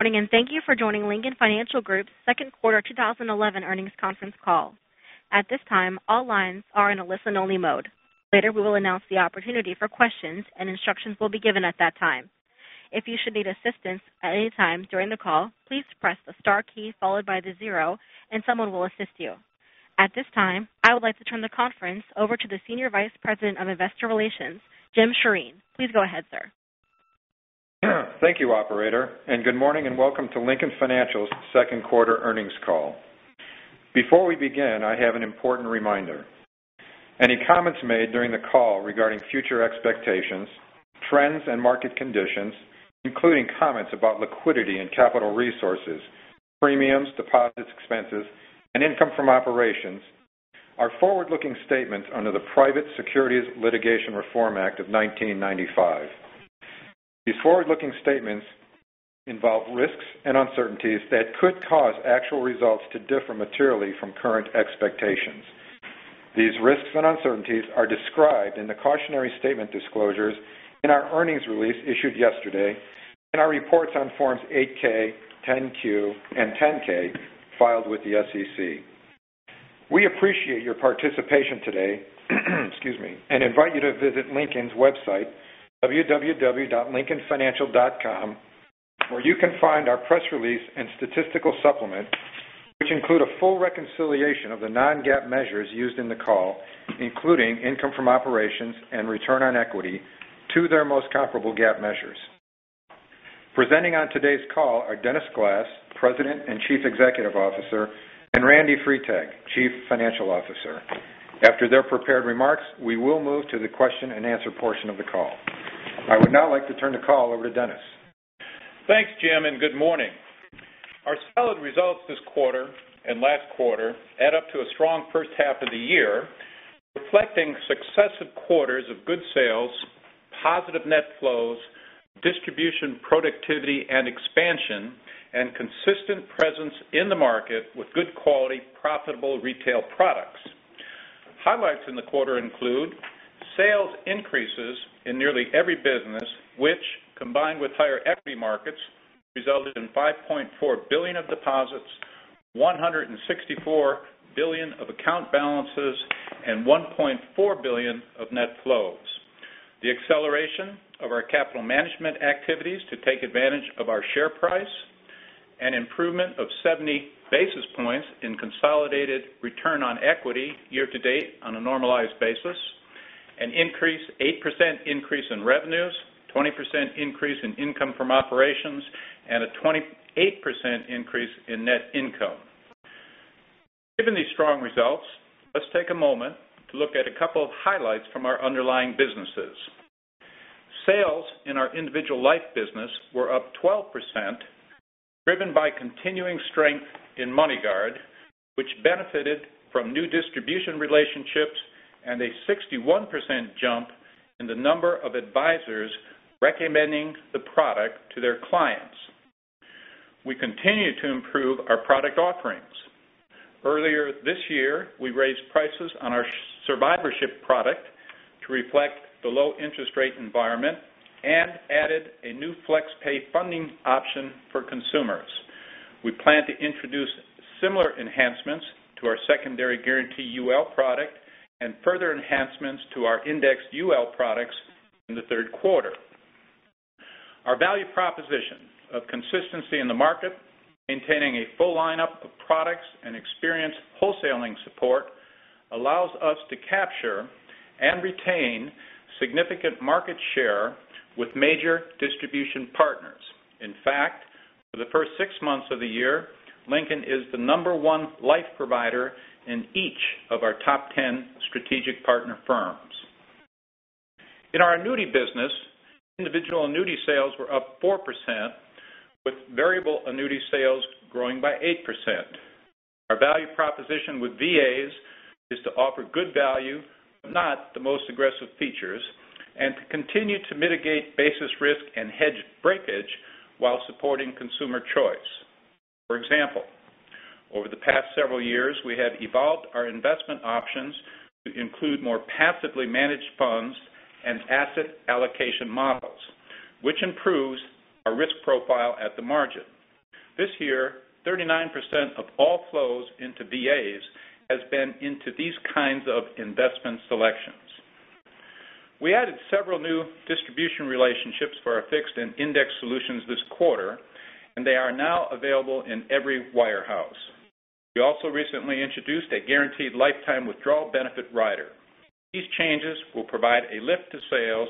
Good morning, thank you for joining Lincoln Financial Group's second quarter 2011 earnings conference call. At this time, all lines are in a listen-only mode. Later, we will announce the opportunity for questions, and instructions will be given at that time. If you should need assistance at any time during the call, please press the star key followed by the zero and someone will assist you. At this time, I would like to turn the conference over to the Senior Vice President of Investor Relations, Jim Sjoreen. Please go ahead, sir. Thank you, operator, good morning, and welcome to Lincoln Financial's second quarter earnings call. Before we begin, I have an important reminder. Any comments made during the call regarding future expectations, trends, and market conditions, including comments about liquidity and capital resources, premiums, deposits, expenses, and income from operations, are forward-looking statements under the Private Securities Litigation Reform Act of 1995. These forward-looking statements involve risks and uncertainties that could cause actual results to differ materially from current expectations. These risks and uncertainties are described in the cautionary statement disclosures in our earnings release issued yesterday, in our reports on Forms 8-K, 10-Q, and 10-K filed with the SEC. We appreciate your participation today excuse me, invite you to visit Lincoln's website, www.lincolnfinancial.com, where you can find our press release and statistical supplement, which include a full reconciliation of the non-GAAP measures used in the call, including income from operations and return on equity, to their most comparable GAAP measures. Presenting on today's call are Dennis Glass, President and Chief Executive Officer, and Randy Freitag, Chief Financial Officer. After their prepared remarks, we will move to the question-and-answer portion of the call. I would now like to turn the call over to Dennis. Thanks, Jim, good morning. Our solid results this quarter and last quarter add up to a strong first half of the year, reflecting successive quarters of good sales, positive net flows, distribution productivity and expansion, and consistent presence in the market with good quality, profitable retail products. Highlights in the quarter include sales increases in nearly every business, which, combined with higher equity markets, resulted in $5.4 billion of deposits, $164 billion of account balances, and $1.4 billion of net flows. The acceleration of our capital management activities to take advantage of our share price, an improvement of 70 basis points in consolidated return on equity year to date on a normalized basis, an 8% increase in revenues, 20% increase in income from operations, and a 28% increase in net income. Given these strong results, let's take a moment to look at a couple of highlights from our underlying businesses. Sales in our individual life business were up 12%, driven by continuing strength in MoneyGuard, which benefited from new distribution relationships and a 61% jump in the number of advisors recommending the product to their clients. We continue to improve our product offerings. Earlier this year, we raised prices on our survivorship product to reflect the low interest rate environment and added a new flex pay funding option for consumers. We plan to introduce similar enhancements to our secondary guarantee UL product and further enhancements to our indexed UL products in the third quarter. Our value proposition of consistency in the market, maintaining a full lineup of products and experienced wholesaling support allows us to capture and retain significant market share with major distribution partners. For the first six months of the year, Lincoln is the number one life provider in each of our top 10 strategic partner firms. In our annuity business, individual annuity sales were up 4%, with variable annuity sales growing by 8%. Our value proposition with VAs is to offer good value, but not the most aggressive features, and to continue to mitigate basis risk and hedge breakage while supporting consumer choice. For example, over the past several years, we have evolved our investment options to include more passively managed funds and asset allocation models, which improves our risk profile at the margin. This year, 39% of all flows into VAs has been into these kinds of investment selections. They are now available in every wirehouse. We also recently introduced a guaranteed lifetime withdrawal benefit rider. These changes will provide a lift to sales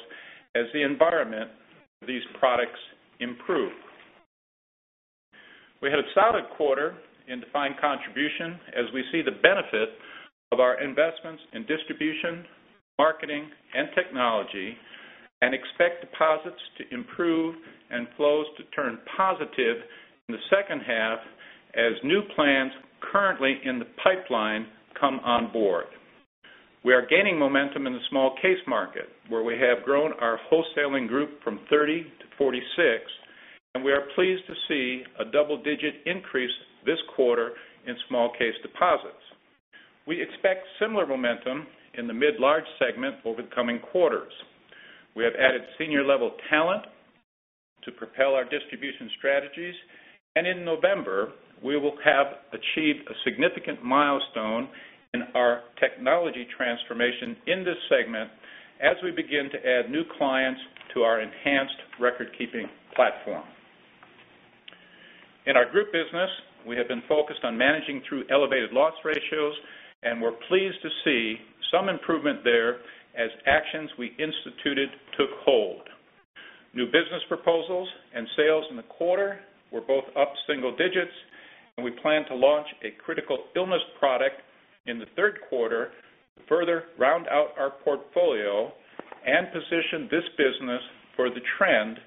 as the environment for these products improve. We had a solid quarter in defined contribution as we see the benefit of our investments in distribution, marketing, and technology, expect deposits to improve and flows to turn positive in the second half as new plans currently in the pipeline come on board. We are gaining momentum in the small case market, where we have grown our wholesaling group from 30 to 46, we are pleased to see a double-digit increase this quarter in small case deposits. We expect similar momentum in the mid large segment over the coming quarters. We have added senior level talent to propel our distribution strategies, in November, we will have achieved a significant milestone in our technology transformation in this segment as we begin to add new clients to our enhanced record-keeping platform. In our group business, we have been focused on managing through elevated loss ratios we're pleased to see some improvement there as actions we instituted took hold. New business proposals and sales in the quarter were both up single digits, we plan to launch a critical illness product in the third quarter to further round out our portfolio and position this business for the trend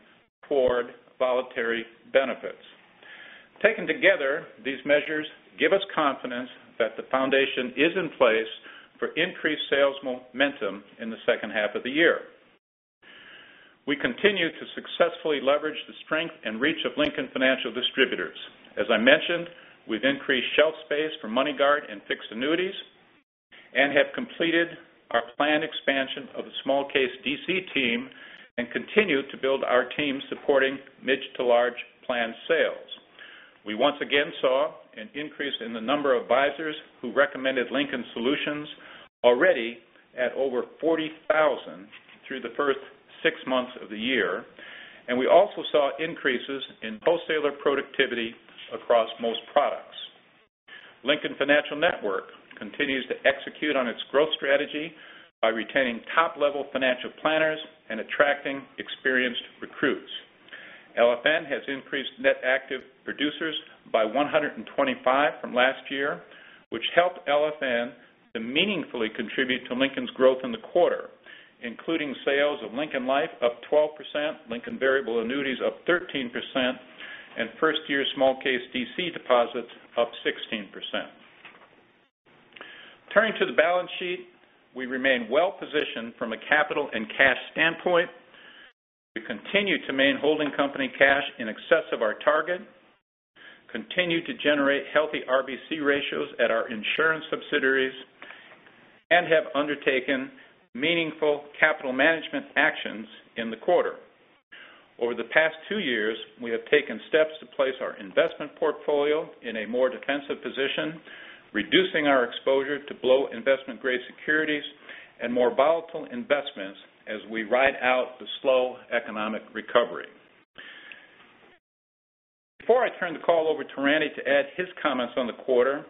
toward voluntary benefits. Taken together, these measures give us confidence that the foundation is in place for increased sales momentum in the second half of the year. We continue to successfully leverage the strength and reach of Lincoln Financial Distributors. As I mentioned, we've increased shelf space for MoneyGuard and fixed annuities and have completed our planned expansion of the small case DC team and continue to build our team supporting mid to large planned sales. We once again saw an increase in the number of advisors who recommended Lincoln solutions already at over 40,000 through the first six months of the year. We also saw increases in wholesaler productivity across most products. Lincoln Financial Network continues to execute on its growth strategy by retaining top-level financial planners and attracting experienced recruits. LFN has increased net active producers by 125 from last year, which helped LFN to meaningfully contribute to Lincoln's growth in the quarter, including sales of Lincoln Life up 12%, Lincoln variable annuities up 13%, and first year small case DC deposits up 16%. Turning to the balance sheet, we remain well-positioned from a capital and cash standpoint. We continue to maintain holding company cash in excess of our target, continue to generate healthy RBC ratios at our insurance subsidiaries, and have undertaken meaningful capital management actions in the quarter. Over the past two years, we have taken steps to place our investment portfolio in a more defensive position, reducing our exposure to below investment-grade securities and more volatile investments as we ride out the slow economic recovery. Before I turn the call over to Randy to add his comments on the quarter,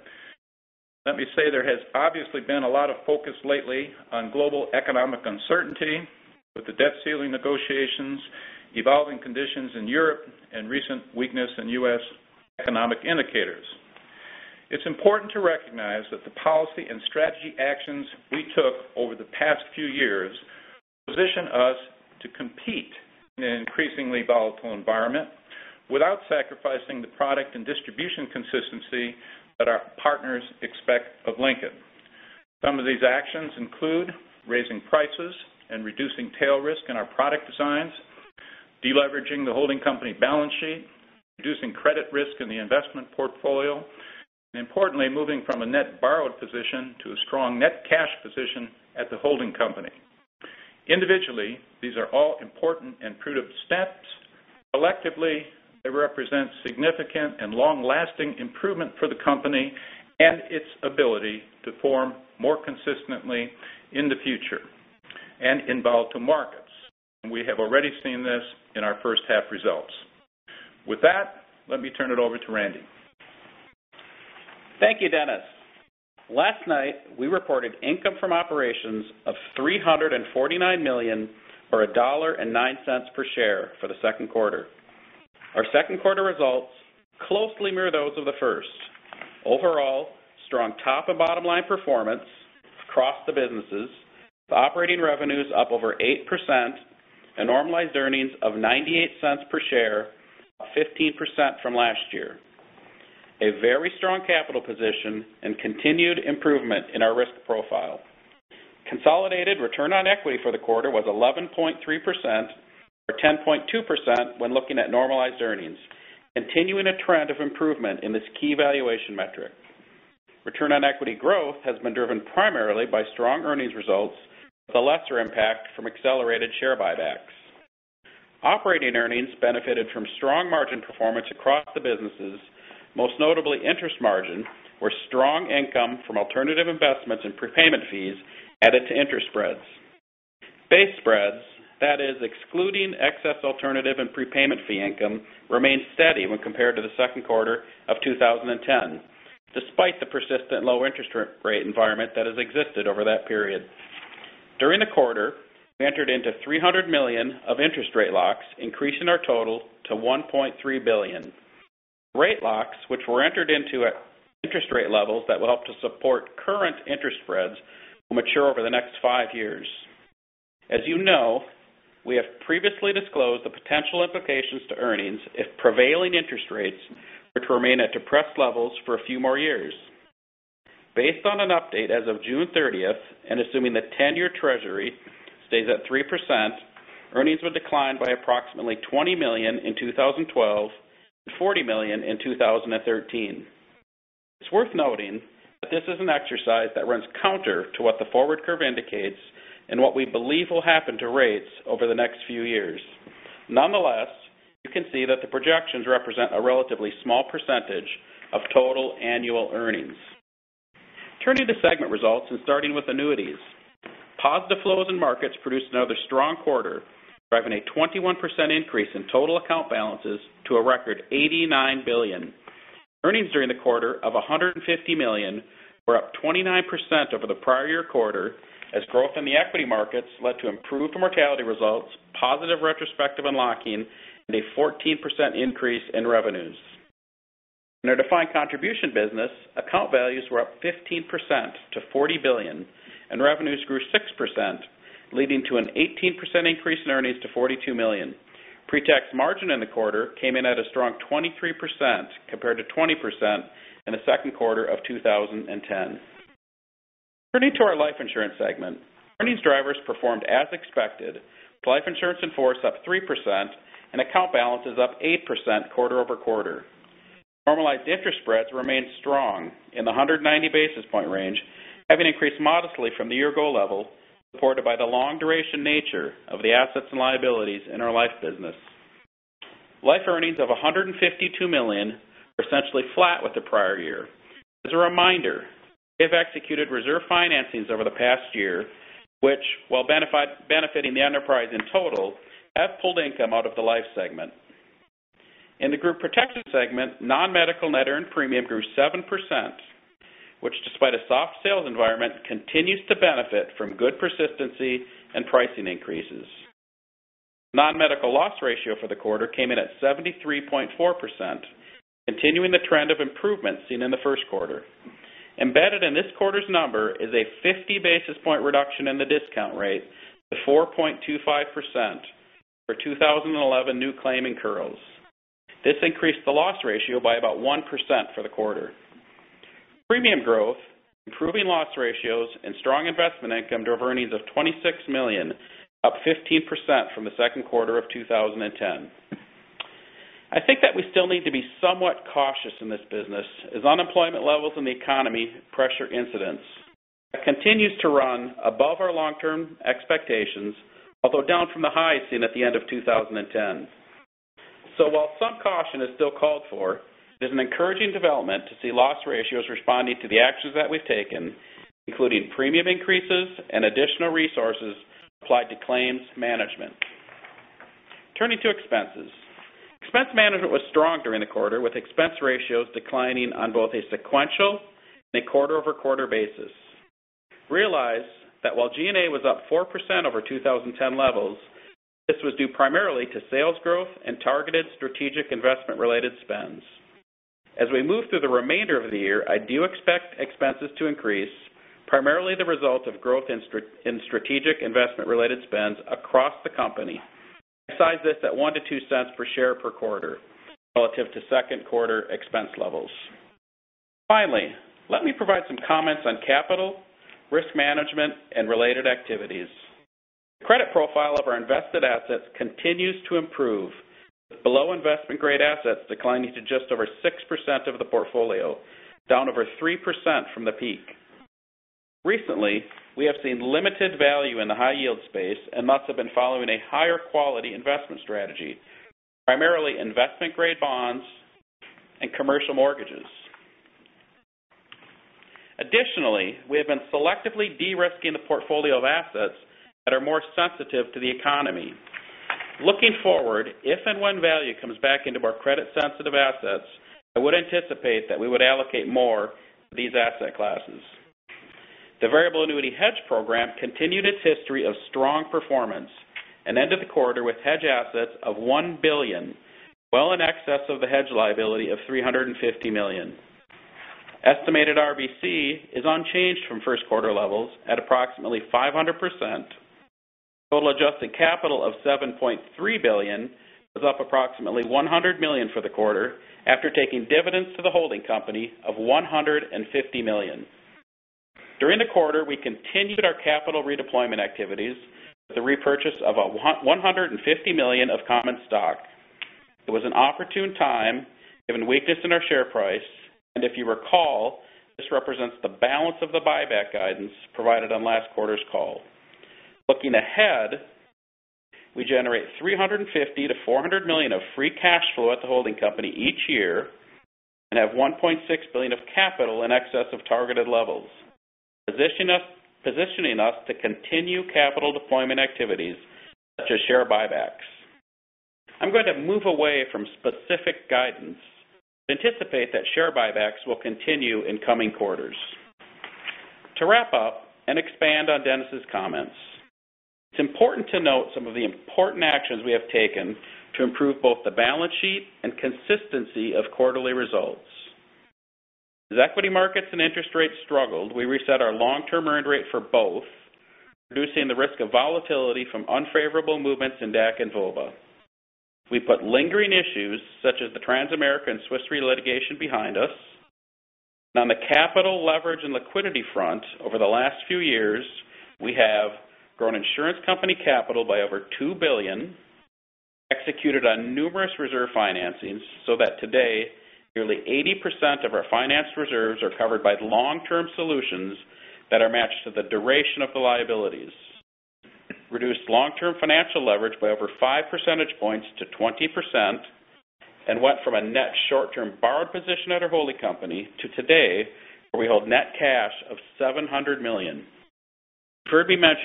let me say there has obviously been a lot of focus lately on global economic uncertainty with the debt ceiling negotiations, evolving conditions in Europe, and recent weakness in U.S. economic indicators. It's important to recognize that the policy and strategy actions we took over the past few years position us to compete in an increasingly volatile environment without sacrificing the product and distribution consistency that our partners expect of Lincoln. Some of these actions include raising prices and reducing tail risk in our product designs, deleveraging the holding company balance sheet, reducing credit risk in the investment portfolio, and importantly, moving from a net borrowed position to a strong net cash position at the holding company. Individually, these are all important and prudent steps. Collectively, they represent significant and long-lasting improvement for the company and its ability to perform more consistently in the future and in volatile markets. We have already seen this in our first half results. With that, let me turn it over to Randy. Thank you, Dennis. Last night, we reported income from operations of $349 million or $1.09 per share for the second quarter. Our second quarter results closely mirror those of the first. Overall, strong top and bottom line performance across the businesses, with operating revenues up over 8% and normalized earnings of $0.98 per share, up 15% from last year. A very strong capital position and continued improvement in our risk profile. Consolidated return on equity for the quarter was 11.3% or 10.2% when looking at normalized earnings, continuing a trend of improvement in this key valuation metric. Return on equity growth has been driven primarily by strong earnings results with a lesser impact from accelerated share buybacks. Operating earnings benefited from strong margin performance across the businesses, most notably interest margin, where strong income from alternative investments and prepayment fees added to interest spreads. Base spreads, that is excluding excess alternative and prepayment fee income, remained steady when compared to the second quarter of 2010, despite the persistent low interest rate environment that has existed over that period. During the quarter, we entered into $300 million of interest rate locks, increasing our total to $1.3 billion. Rate locks, which were entered into at interest rate levels that will help to support current interest spreads, will mature over the next five years. As you know, we have previously disclosed the potential implications to earnings if prevailing interest rates are to remain at depressed levels for a few more years. Based on an update as of June 30th and assuming the 10-year treasury stays at 3%, earnings were declined by approximately $20 million in 2012 and $40 million in 2013. It's worth noting that this is an exercise that runs counter to what the forward curve indicates and what we believe will happen to rates over the next few years. Nonetheless, you can see that the projections represent a relatively small percentage of total annual earnings. Turning to segment results and starting with annuities. Positive flows in markets produced another strong quarter, driving a 21% increase in total account balances to a record $89 billion. Earnings during the quarter of $150 million were up 29% over the prior year quarter as growth in the equity markets led to improved mortality results, positive retrospective unlocking, and a 14% increase in revenues. In our defined contribution business, account values were up 15% to $40 billion. Revenues grew 6%, leading to an 18% increase in earnings to $42 million. Pre-tax margin in the quarter came in at a strong 23% compared to 20% in the second quarter of 2010. Turning to our life insurance segment. Earnings drivers performed as expected, with life insurance in force up 3%. Account balances up 8% quarter-over-quarter. Normalized interest spreads remained strong in the 190-basis-point range, having increased modestly from the year ago level, supported by the long-duration nature of the assets and liabilities in our life business. Life earnings of $152 million were essentially flat with the prior year. As a reminder, we have executed reserve financings over the past year, which, while benefiting the enterprise in total, have pulled income out of the life segment. In the group protection segment, non-medical net earned premium grew 7%, which despite a soft sales environment, continues to benefit from good persistency and pricing increases. Non-medical loss ratio for the quarter came in at 73.4%, continuing the trend of improvement seen in the first quarter. Embedded in this quarter's number is a 50-basis-point reduction in the discount rate to 4.25% for 2011 new claim incurrals. This increased the loss ratio by about 1% for the quarter. Premium growth, improving loss ratios. Strong investment income drove earnings of $26 million, up 15% from the second quarter of 2010. I think that we still need to be somewhat cautious in this business as unemployment levels in the economy pressure incidents. It continues to run above our long-term expectations, although down from the high seen at the end of 2010. While some caution is still called for, it is an encouraging development to see loss ratios responding to the actions that we've taken, including premium increases and additional resources applied to claims management. Turning to expenses. Expense management was strong during the quarter, with expense ratios declining on both a sequential and a quarter-over-quarter basis. Realize that while G&A was up 4% over 2010 levels, this was due primarily to sales growth and targeted strategic investment-related spends. As we move through the remainder of the year, I do expect expenses to increase, primarily the result of growth in strategic investment-related spends across the company. I size this at $0.01-$0.02 per share per quarter relative to second quarter expense levels. Finally, let me provide some comments on capital, risk management, and related activities. The credit profile of our invested assets continues to improve with below-investment-grade assets declining to just over 6% of the portfolio, down over 3% from the peak. Recently, we have seen limited value in the high yield space and thus have been following a higher quality investment strategy, primarily investment-grade bonds and commercial mortgages. Additionally, we have been selectively de-risking the portfolio of assets that are more sensitive to the economy. Looking forward, if and when value comes back into more credit-sensitive assets, I would anticipate that we would allocate more of these asset classes. The variable annuity hedge program continued its history of strong performance and end of the quarter with hedge assets of $1 billion, well in excess of the hedge liability of $350 million. Estimated RBC is unchanged from first quarter levels at approximately 500%. Total adjusted capital of $7.3 billion was up approximately $100 million for the quarter after taking dividends to the holding company of $150 million. During the quarter, we continued our capital redeployment activities with the repurchase of $150 million of common stock. It was an opportune time given weakness in our share price, and if you recall, this represents the balance of the buyback guidance provided on last quarter's call. Looking ahead, we generate $350 million-$400 million of free cash flow at the holding company each year and have $1.6 billion of capital in excess of targeted levels, positioning us to continue capital deployment activities such as share buybacks. I'm going to move away from specific guidance but anticipate that share buybacks will continue in coming quarters. To wrap up and expand on Dennis' comments, it's important to note some of the important actions we have taken to improve both the balance sheet and consistency of quarterly results. As equity markets and interest rates struggled, we reset our long-term earned rate for both, reducing the risk of volatility from unfavorable movements in DAC and VOLA. We put lingering issues such as the Transamerica and Swiss Re litigation behind us. On the capital leverage and liquidity front, over the last few years, we have grown insurance company capital by over $2 billion, executed on numerous reserve financings, so that today nearly 80% of our financed reserves are covered by long-term solutions that are matched to the duration of the liabilities. Reduced long-term financial leverage by over five percentage points to 20%. We went from a net short-term borrowed position at our holding company to today, where we hold net cash of $700 million. Sometimes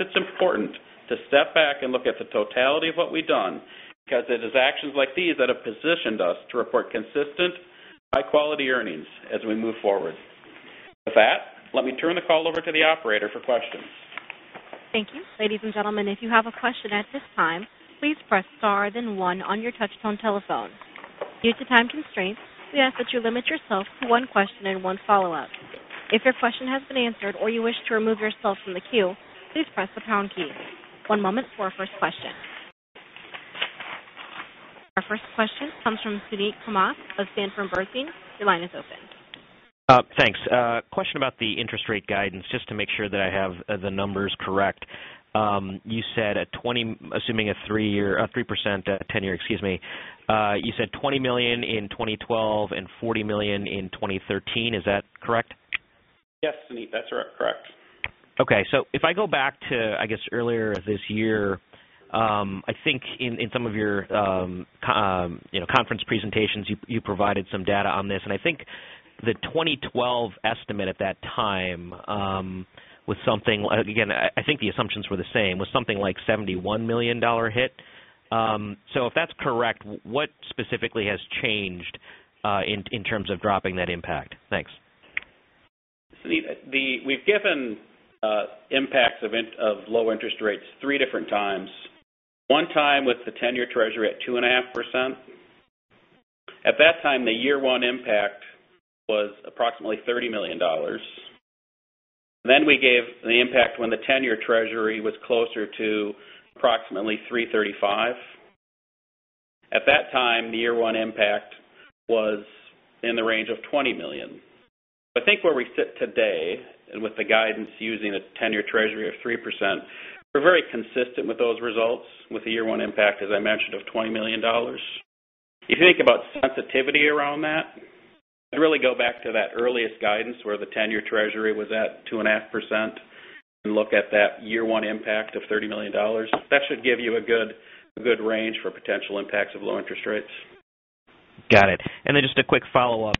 it's important to step back and look at the totality of what we've done, because it is actions like these that have positioned us to report consistent, high-quality earnings as we move forward. With that, let me turn the call over to the operator for questions. Thank you. Ladies and gentlemen, if you have a question at this time, please press star then one on your touchtone telephone. Due to time constraints, we ask that you limit yourself to one question and one follow-up. If your question has been answered or you wish to remove yourself from the queue, please press the pound key. One moment for our first question. Our first question comes from Suneet Kamath of Sanford Bernstein. Your line is open. Thanks. A question about the interest rate guidance, just to make sure that I have the numbers correct. You said, assuming a 3% 10-year, you said $20 million in 2012 and $40 million in 2013. Is that correct? Yes, Suneet, that's correct. Okay. If I go back to earlier this year, I think in some of your conference presentations, you provided some data on this, I think the 2012 estimate at that time was something, again, I think the assumptions were the same, was something like $71 million hit. If that's correct, what specifically has changed in terms of dropping that impact? Thanks. Suneet, we've given impacts of low interest rates three different times. One time with the 10-year Treasury at 2.5%. At that time, the year one impact was approximately $30 million. We gave the impact when the 10-year Treasury was closer to approximately 335. At that time, the year one impact was in the range of $20 million. I think where we sit today, with the guidance using the 10-year Treasury of 3%, we're very consistent with those results with the year one impact, as I mentioned, of $20 million. If you think about sensitivity around that, I'd really go back to that earliest guidance where the 10-year Treasury was at 2.5% and look at that year one impact of $30 million. That should give you a good range for potential impacts of low interest rates. Got it. Just a quick follow-up.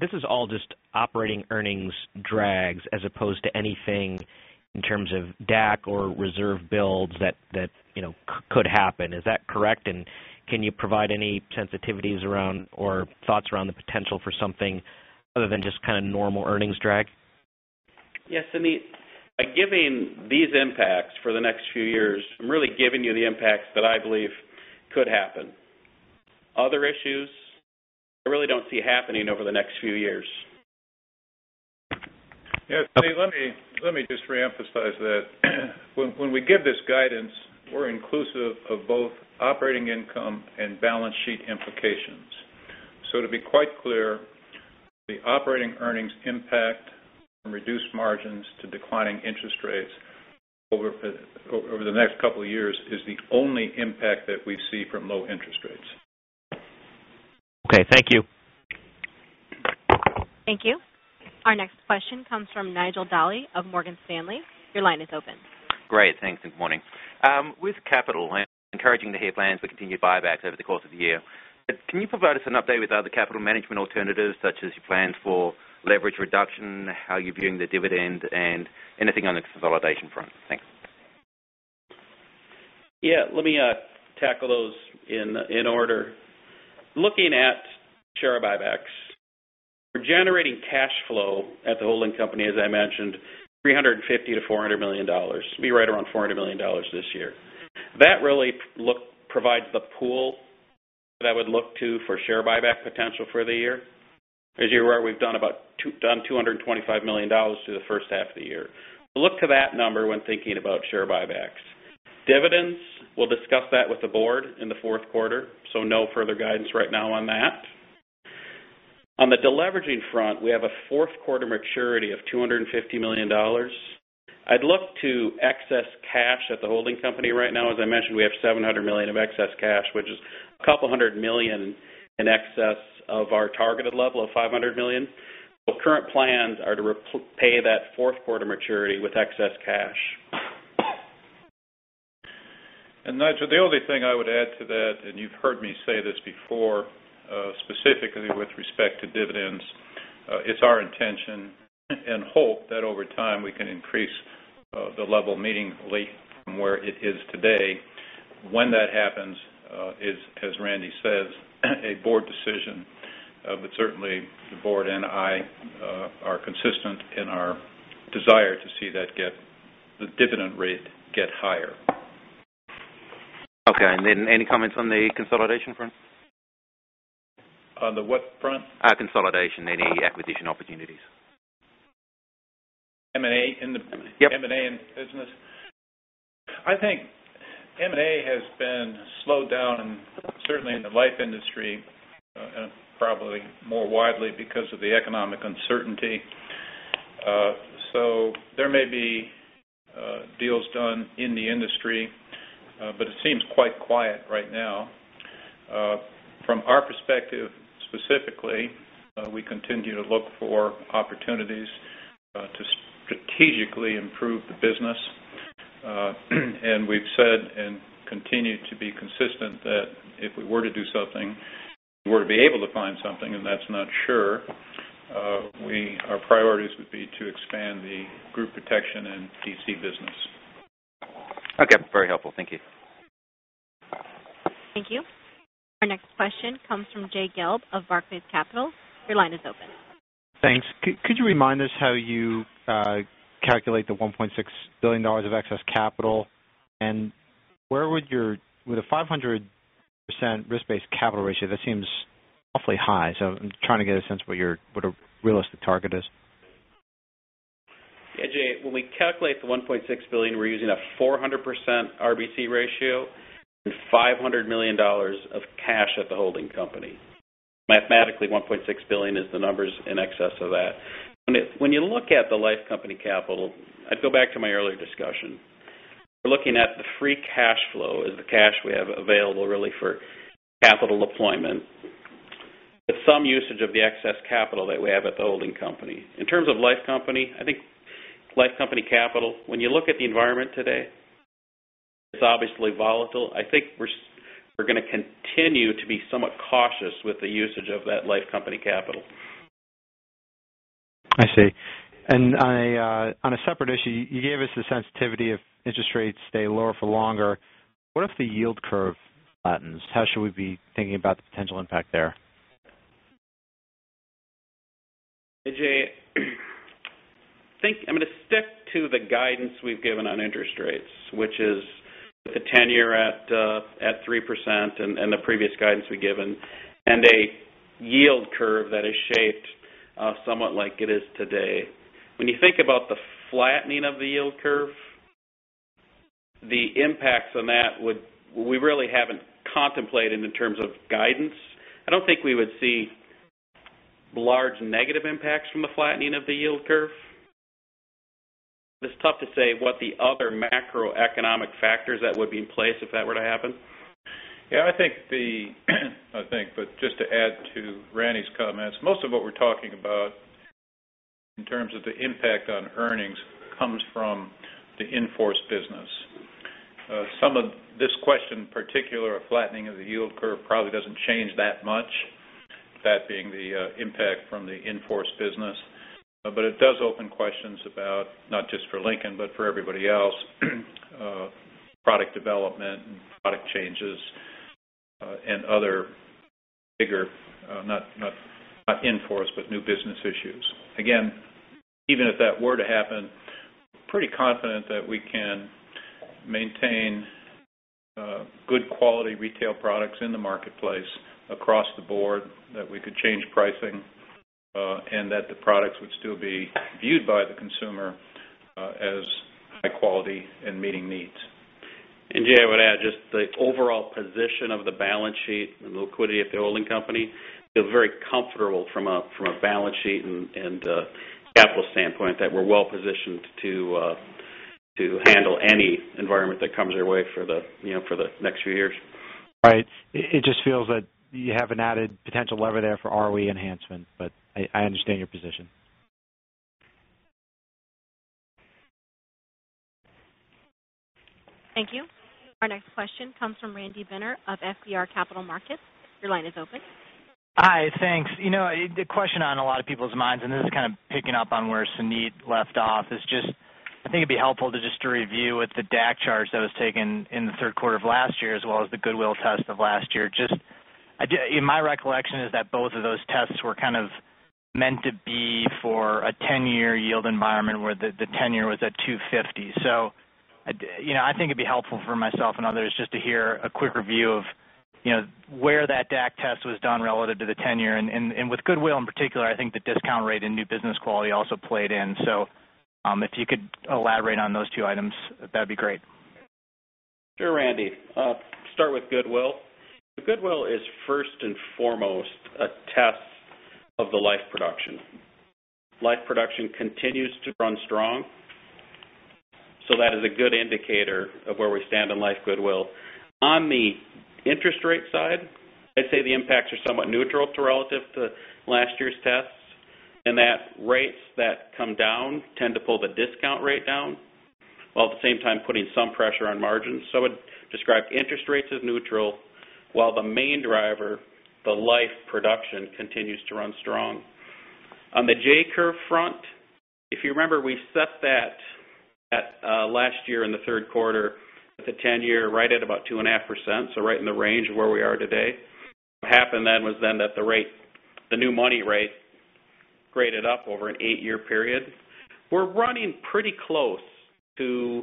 This is all just operating earnings drags as opposed to anything in terms of DAC or reserve builds that could happen. Is that correct? Can you provide any sensitivities around or thoughts around the potential for something other than just kind of normal earnings drag? Yes, Suneet. By giving these impacts for the next few years, I'm really giving you the impacts that I believe could happen. Other issues, I really don't see happening over the next few years. Yes, Suneet, let me just reemphasize that. When we give this guidance, we're inclusive of both operating income and balance sheet implications. To be quite clear, the operating earnings impact from reduced margins to declining interest rates over the next couple of years is the only impact that we see from low interest rates. Okay. Thank you. Thank you. Our next question comes from Nigel Dally of Morgan Stanley. Your line is open. Great. Thanks. Good morning. With capital, encouraging to hear plans for continued buybacks over the course of the year. Can you provide us an update with other capital management alternatives such as your plans for leverage reduction, how you're viewing the dividend and anything on the consolidation front? Thanks. Yeah. Let me tackle those in order. Looking at share buybacks. We're generating cash flow at the holding company, as I mentioned, $350 million to $400 million. It'll be right around $400 million this year. That really provides the pool that I would look to for share buyback potential for the year. As you're aware, we've done $225 million through the first half of the year. We'll look to that number when thinking about share buybacks. Dividends, we'll discuss that with the board in the fourth quarter, so no further guidance right now on that. On the deleveraging front, we have a fourth quarter maturity of $250 million. I'd look to excess cash at the holding company right now. As I mentioned, we have $700 million of excess cash, which is a couple hundred million in excess of our targeted level of $500 million. Current plans are to pay that fourth quarter maturity with excess cash. Nigel, the only thing I would add to that, and you've heard me say this before, specifically with respect to dividends, it's our intention and hope that over time we can increase the level meaningfully from where it is today. When that happens, is, as Randy says, a board decision. Certainly the board and I are consistent in our desire to see the dividend rate get higher. Okay. Any comments on the consolidation front? On the what front? Consolidation. Any acquisition opportunities? M&A in the- Yep M&A in business. I think M&A has been slowed down, certainly in the life industry, and probably more widely because of the economic uncertainty. There may be deals done in the industry, but it seems quite quiet right now. From our perspective, specifically, we continue to look for opportunities to strategically improve the business. We've said, and continue to be consistent, that if we were to do something, if we were to be able to find something, and that's not sure, our priorities would be to expand the group protection and DC business. Okay. Very helpful. Thank you. Thank you. Our next question comes from Jay Gelb of Barclays Capital. Your line is open. Thanks. Could you remind us how you calculate the $1.6 billion of excess capital? With a 500% risk-based capital ratio, that seems awfully high. I'm trying to get a sense of what a realistic target is. Yeah, Jay, when we calculate the $1.6 billion, we're using a 400% RBC ratio and $500 million of cash at the holding company. Mathematically, $1.6 billion is the numbers in excess of that. When you look at the life company capital, I'd go back to my earlier discussion. We're looking at the free cash flow as the cash we have available, really, for capital deployment. With some usage of the excess capital that we have at the holding company. In terms of life company capital, when you look at the environment today, it's obviously volatile. I think we're going to continue to be somewhat cautious with the usage of that life company capital. I see. On a separate issue, you gave us the sensitivity of interest rates stay lower for longer. What if the yield curve flattens? How should we be thinking about the potential impact there? Hey, Jay. I think I'm going to stick to the guidance we've given on interest rates, which is with the 10-year at 3% and the previous guidance we've given, and a yield curve that is shaped somewhat like it is today. When you think about the flattening of the yield curve, the impacts on that we really haven't contemplated in terms of guidance. I don't think we would see large negative impacts from the flattening of the yield curve. It's tough to say what the other macroeconomic factors that would be in place if that were to happen. Just to add to Randy's comments, most of what we're talking about in terms of the impact on earnings comes from the in-force business. Some of this question, in particular, a flattening of the yield curve probably doesn't change that much, that being the impact from the in-force business. It does open questions about, not just for Lincoln, but for everybody else, product development and product changes, and other bigger, not in-force, but new business issues. Again, even if that were to happen, pretty confident that we can maintain good quality retail products in the marketplace across the board, that we could change pricing, and that the products would still be viewed by the consumer as high quality and meeting needs. Jay, I would add, just the overall position of the balance sheet and liquidity at the holding company, feel very comfortable from a balance sheet and a capital standpoint that we're well-positioned to handle any environment that comes our way for the next few years. Right. It just feels that you have an added potential lever there for ROE enhancement. I understand your position. Thank you. Our next question comes from Randy Binner of FBR Capital Markets. Your line is open. Hi. Thanks. The question on a lot of people's minds, this is kind of picking up on where Suneet left off, is just I think it'd be helpful to just to review what the DAC charge that was taken in the third quarter of last year as well as the goodwill test of last year. Just my recollection is that both of those tests were kind of meant to be for a 10-year yield environment where the 10-year was at 250. I think it'd be helpful for myself and others just to hear a quick review of where that DAC test was done relative to the 10-year. With goodwill in particular, I think the discount rate and new business quality also played in. If you could elaborate on those two items, that'd be great. Sure, Randy. Start with goodwill. The goodwill is first and foremost a test of the life production. Life production continues to run strong. That is a good indicator of where we stand on life goodwill. On the interest rate side, I'd say the impacts are somewhat neutral to relative to last year's tests, in that rates that come down tend to pull the discount rate down, while at the same time putting some pressure on margins. I would describe interest rates as neutral, while the main driver, the life production, continues to run strong. On the J Curve front, if you remember, we set that last year in the third quarter with the 10-year right at about 2.5%. Right in the range of where we are today. What happened then was then that the new money rate graded up over an eight-year period. We're running pretty close to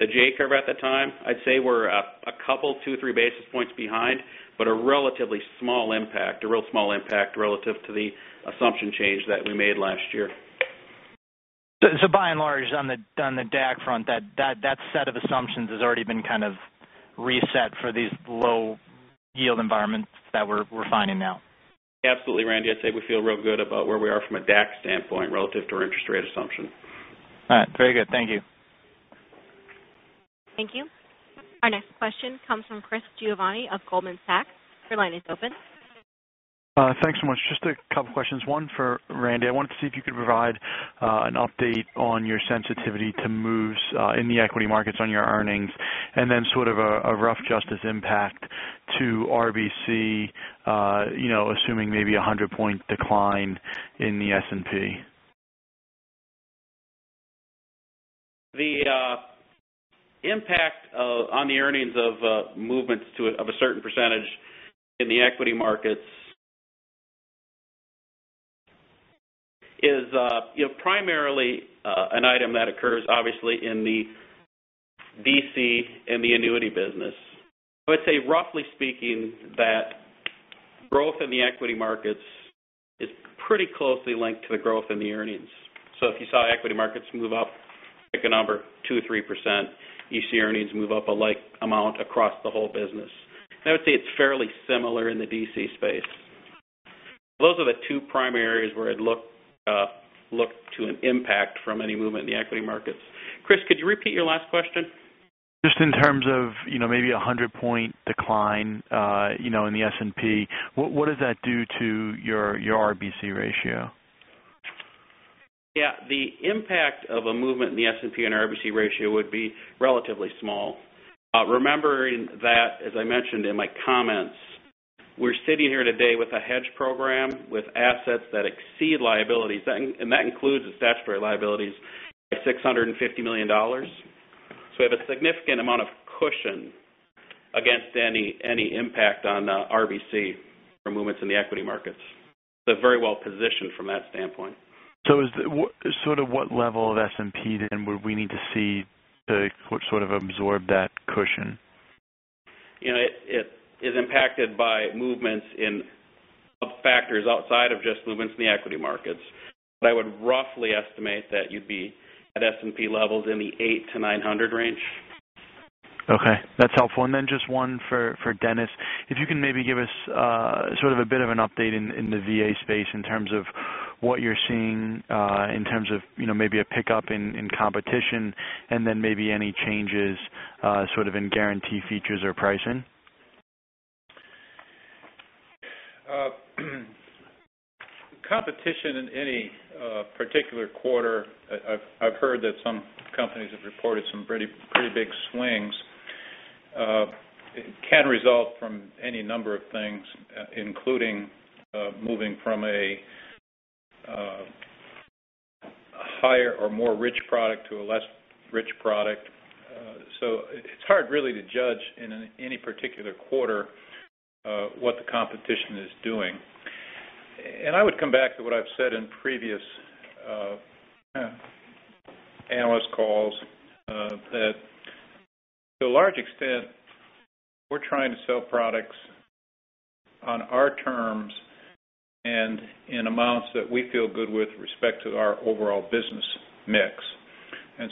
the J Curve at that time, I'd say we're a couple, two, three basis points behind, but a relatively small impact, a real small impact relative to the assumption change that we made last year. By and large on the DAC front, that set of assumptions has already been kind of reset for these low yield environments that we're finding now. Absolutely, Randy. I'd say we feel real good about where we are from a DAC standpoint relative to our interest rate assumption. All right. Very good. Thank you. Thank you. Our next question comes from Chris Giovanni of Goldman Sachs. Your line is open. Thanks so much. Just a couple questions. One for Randy. I wanted to see if you could provide an update on your sensitivity to moves in the equity markets on your earnings, and then sort of a rough justice impact to RBC, assuming maybe 100-point decline in the S&P. The impact on the earnings of movements to of a certain percentage in the equity markets is primarily an item that occurs obviously in the VA and the annuity business. I would say, roughly speaking, that growth in the equity markets is pretty closely linked to the growth in the earnings. If you saw equity markets move up, pick a number, 2% or 3%, you see earnings move up a like amount across the whole business. I would say it's fairly similar in the VA space. Those are the two primary areas where I'd look to an impact from any movement in the equity markets. Chris, could you repeat your last question? Just in terms of maybe 100-point decline in the S&P, what does that do to your RBC ratio? The impact of a movement in the S&P and RBC ratio would be relatively small. Remembering that, as I mentioned in my comments, we're sitting here today with a hedge program with assets that exceed liabilities, and that includes the statutory liabilities by $650 million. We have a significant amount of cushion against any impact on the RBC from movements in the equity markets. Very well-positioned from that standpoint. What level of S&P then would we need to see to sort of absorb that cushion? It is impacted by movements in factors outside of just movements in the equity markets. I would roughly estimate that you'd be at S&P levels in the 800-900 range. That's helpful. Just one for Dennis. If you can maybe give us sort of a bit of an update in the VA space in terms of what you're seeing in terms of maybe a pickup in competition, and then maybe any changes sort of in guarantee features or pricing. Competition in any particular quarter, I've heard that some companies have reported some pretty big swings. It can result from any number of things, including moving from a higher or more rich product to a less rich product. It's hard really to judge in any particular quarter what the competition is doing. I would come back to what I've said in previous analyst calls that to a large extent, we're trying to sell products on our terms and in amounts that we feel good with respect to our overall business mix.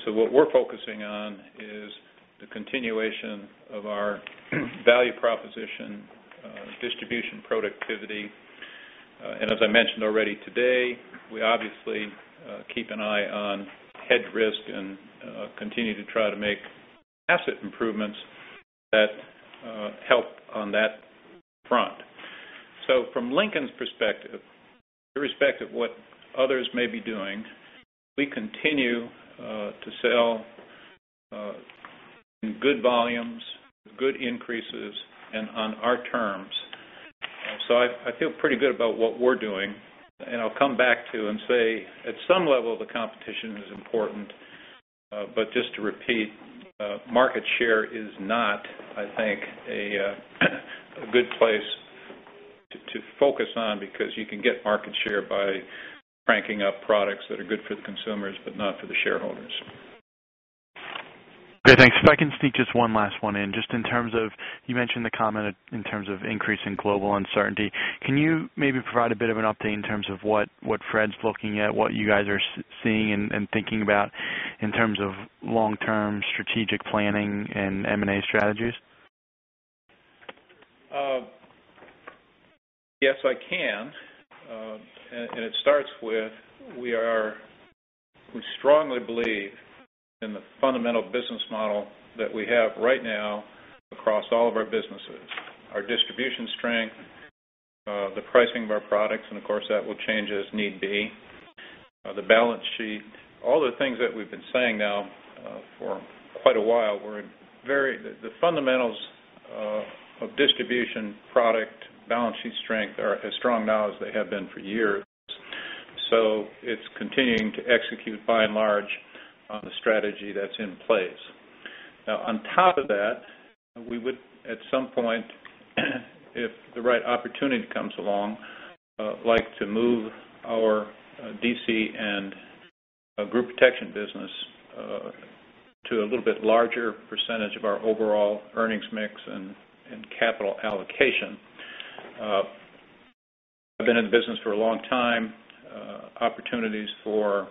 What we're focusing on is the continuation of our value proposition, distribution productivity. As I mentioned already today, we obviously keep an eye on hedge risk and continue to try to make asset improvements that help on that front. From Lincoln's perspective, irrespective of what others may be doing, we continue to sell in good volumes with good increases and on our terms. I feel pretty good about what we're doing, and I'll come back to and say, at some level, the competition is important. Just to repeat, market share is not, I think, a good place to focus on because you can get market share by cranking up products that are good for the consumers but not for the shareholders. Okay, thanks. If I can sneak just one last one in. Just in terms of, you mentioned the comment in terms of increase in global uncertainty. Can you maybe provide a bit of an update in terms of what Fred's looking at, what you guys are seeing and thinking about in terms of long-term strategic planning and M&A strategies? Yes, I can. It starts with we strongly believe in the fundamental business model that we have right now across all of our businesses. Our distribution strength, the pricing of our products, and of course, that will change as need be. The balance sheet, all the things that we've been saying now for quite a while, the fundamentals of distribution, product, balance sheet strength are as strong now as they have been for years. It's continuing to execute by and large on the strategy that's in place. On top of that, we would, at some point, if the right opportunity comes along, like to move our DC and group protection business to a little bit larger percentage of our overall earnings mix and capital allocation. Been in the business for a long time. Opportunities for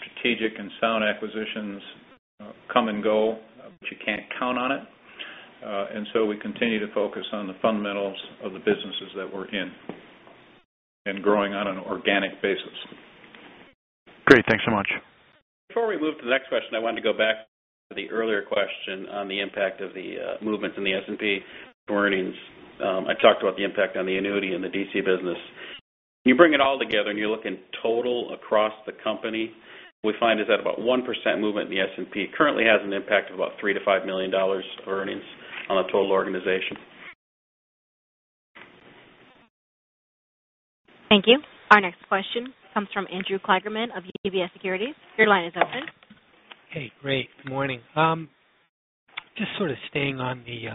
strategic and sound acquisitions come and go, but you can't count on it. We continue to focus on the fundamentals of the businesses that we're in and growing on an organic basis. Great. Thanks so much. Before we move to the next question, I wanted to go back to the earlier question on the impact of the movement in the S&P for earnings. I talked about the impact on the annuity and the DC business. When you bring it all together and you look in total across the company, what we find is that about 1% movement in the S&P currently has an impact of about $3 million-$5 million of earnings on the total organization. Thank you. Our next question comes from Andrew Kligerman of UBS Securities. Your line is open. Hey, Ray. Good morning. Just sort of staying on the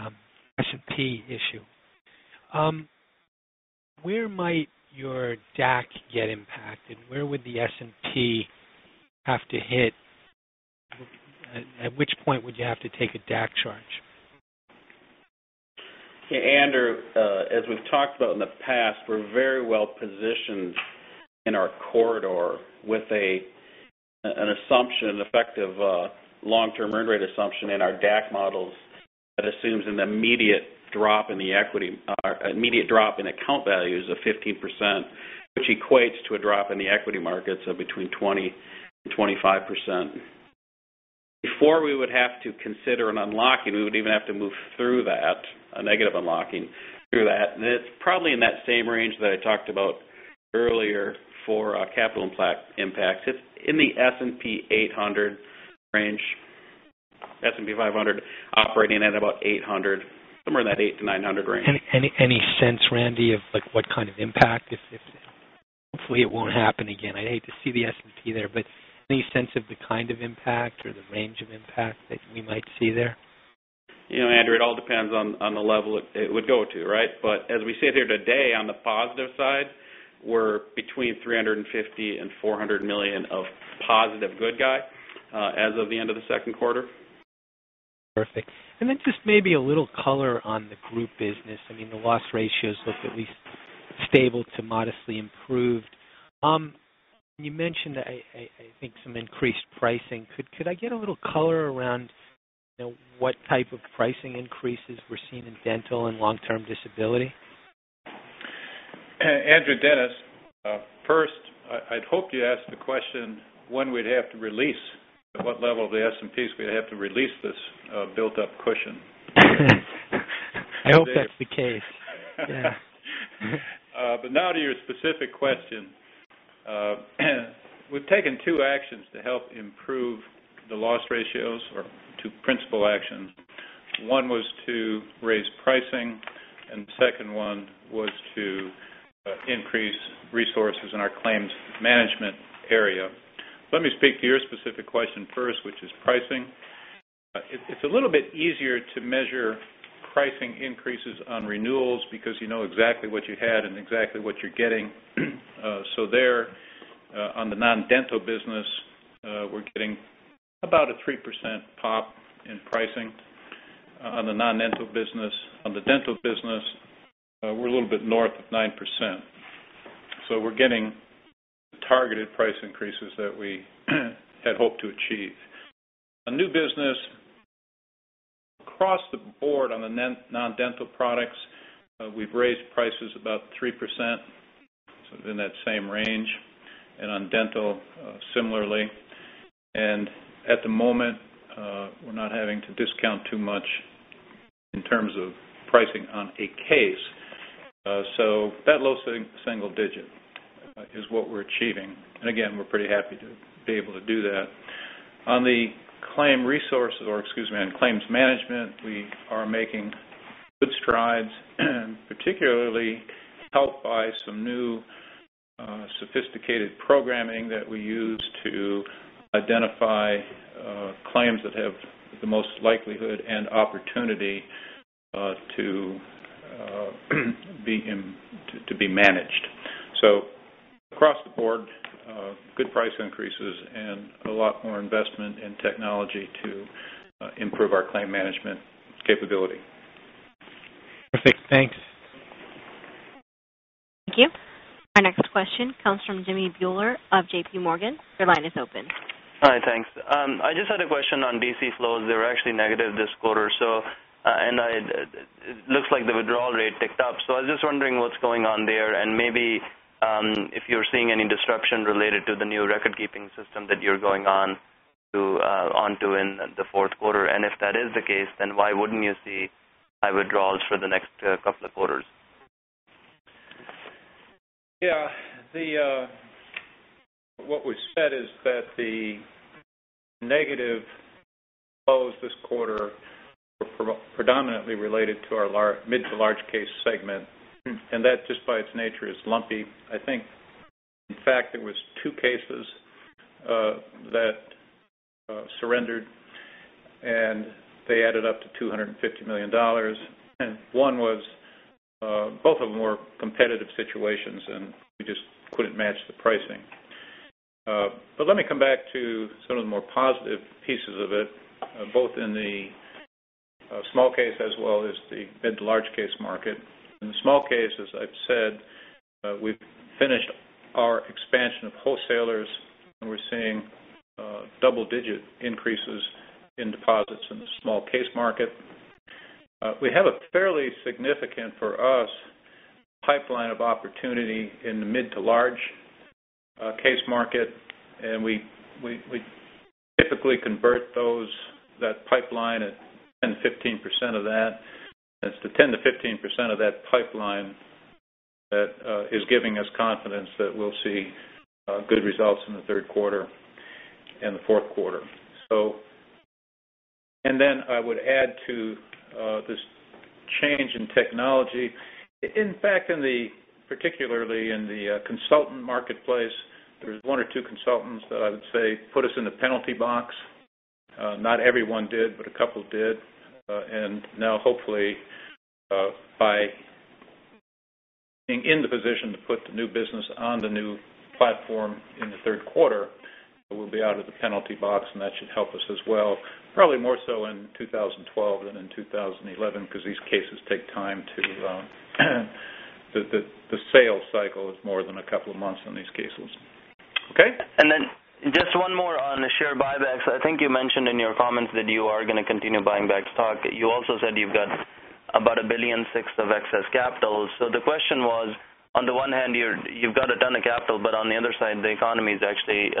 S&P issue. Where might your DAC get impacted? Where would the S&P have to hit? At which point would you have to take a DAC charge? Yeah, Andrew, as we've talked about in the past, we're very well-positioned in our corridor with an assumption, effective long-term earn rate assumption in our DAC models that assumes an immediate drop in account values of 15%, which equates to a drop in the equity markets of between 20% and 25%. Before we would have to consider an unlocking, we would even have to move through that, a negative unlocking through that. It's probably in that same range that I talked about earlier for capital impact. It's in the S&P 800 range, S&P 500 operating at about 800, somewhere in that 8-900 range. Any sense, Randy, of what kind of impact hopefully it won't happen again. I'd hate to see the S&P there, any sense of the kind of impact or the range of impact that we might see there? Andrew, it all depends on the level it would go to, right? As we sit here today, on the positive side, we're between $350 million and $400 million of positive good guy as of the end of the second quarter. Perfect. Just maybe a little color on the group business. I mean, the loss ratios look at least stable to modestly improved. You mentioned, I think, some increased pricing. Could I get a little color around what type of pricing increases we're seeing in dental and long-term disability? Andrew, Dennis. First, I'd hoped you'd ask the question, when we'd have to release, at what level of the S&Ps we'd have to release this built-up cushion. I hope that's the case. Yeah. Now to your specific question. We've taken two actions to help improve the loss ratios or two principal actions. One was to raise pricing, and the second one was to increase resources in our claims management area. Let me speak to your specific question first, which is pricing. It's a little bit easier to measure pricing increases on renewals because you know exactly what you had and exactly what you're getting. There, on the non-dental business, we're getting about a 3% pop in pricing on the non-dental business. On the dental business, we're a little bit north of 9%. We're getting the targeted price increases that we had hoped to achieve. On new business, across the board on the non-dental products, we've raised prices about 3%, in that same range. On dental, similarly. At the moment, we're not having to discount too much in terms of pricing on a case. That low single digit is what we're achieving. Again, we're pretty happy to be able to do that. On the claim resources, or excuse me, on claims management, we are making good strides, particularly helped by some new sophisticated programming that we use to identify claims that have the most likelihood and opportunity to be managed. Across the board, good price increases and a lot more investment in technology to improve our claim management capability. Perfect. Thanks. Thank you. Our next question comes from Jimmy Bhullar of J.P. Morgan. Your line is open. Hi, thanks. I just had a question on DC flows. They were actually negative this quarter. It looks like the withdrawal rate ticked up. I was just wondering what's going on there and maybe if you're seeing any disruption related to the new record-keeping system that you're going onto in the fourth quarter. If that is the case, then why wouldn't you see high withdrawals for the next couple of quarters? Yeah. What we've said is that the negative flows this quarter were predominantly related to our mid to large case segment. That, just by its nature, is lumpy. I think in fact, there was two cases that surrendered, they added up to $250 million. Both of them were competitive situations, we just couldn't match the pricing. Let me come back to some of the more positive pieces of it, both in the small case as well as the mid to large case market. In the small cases, I've said we've finished our expansion of wholesalers, we're seeing double-digit increases in deposits in the small case market. We have a fairly significant, for us, pipeline of opportunity in the mid to large case market, we typically convert that pipeline at 10% to 15% of that. It's the 10% to 15% of that pipeline that is giving us confidence that we'll see good results in the third quarter and the fourth quarter. I would add to this change in technology. In fact, particularly in the consultant marketplace, there's one or two consultants that I would say put us in the penalty box. Not everyone did, a couple did. Hopefully by being in the position to put the new business on the new platform in the third quarter, we'll be out of the penalty box, that should help us as well. Probably more so in 2012 than in 2011, because these cases take time. The sales cycle is more than a couple of months on these cases. Okay. Just one more on the share buybacks. I think you mentioned in your comments that you are going to continue buying back stock. You also said you've got about $1.6 billion of excess capital. The question was, on the one hand, you've got a ton of capital, on the other side, the economy's actually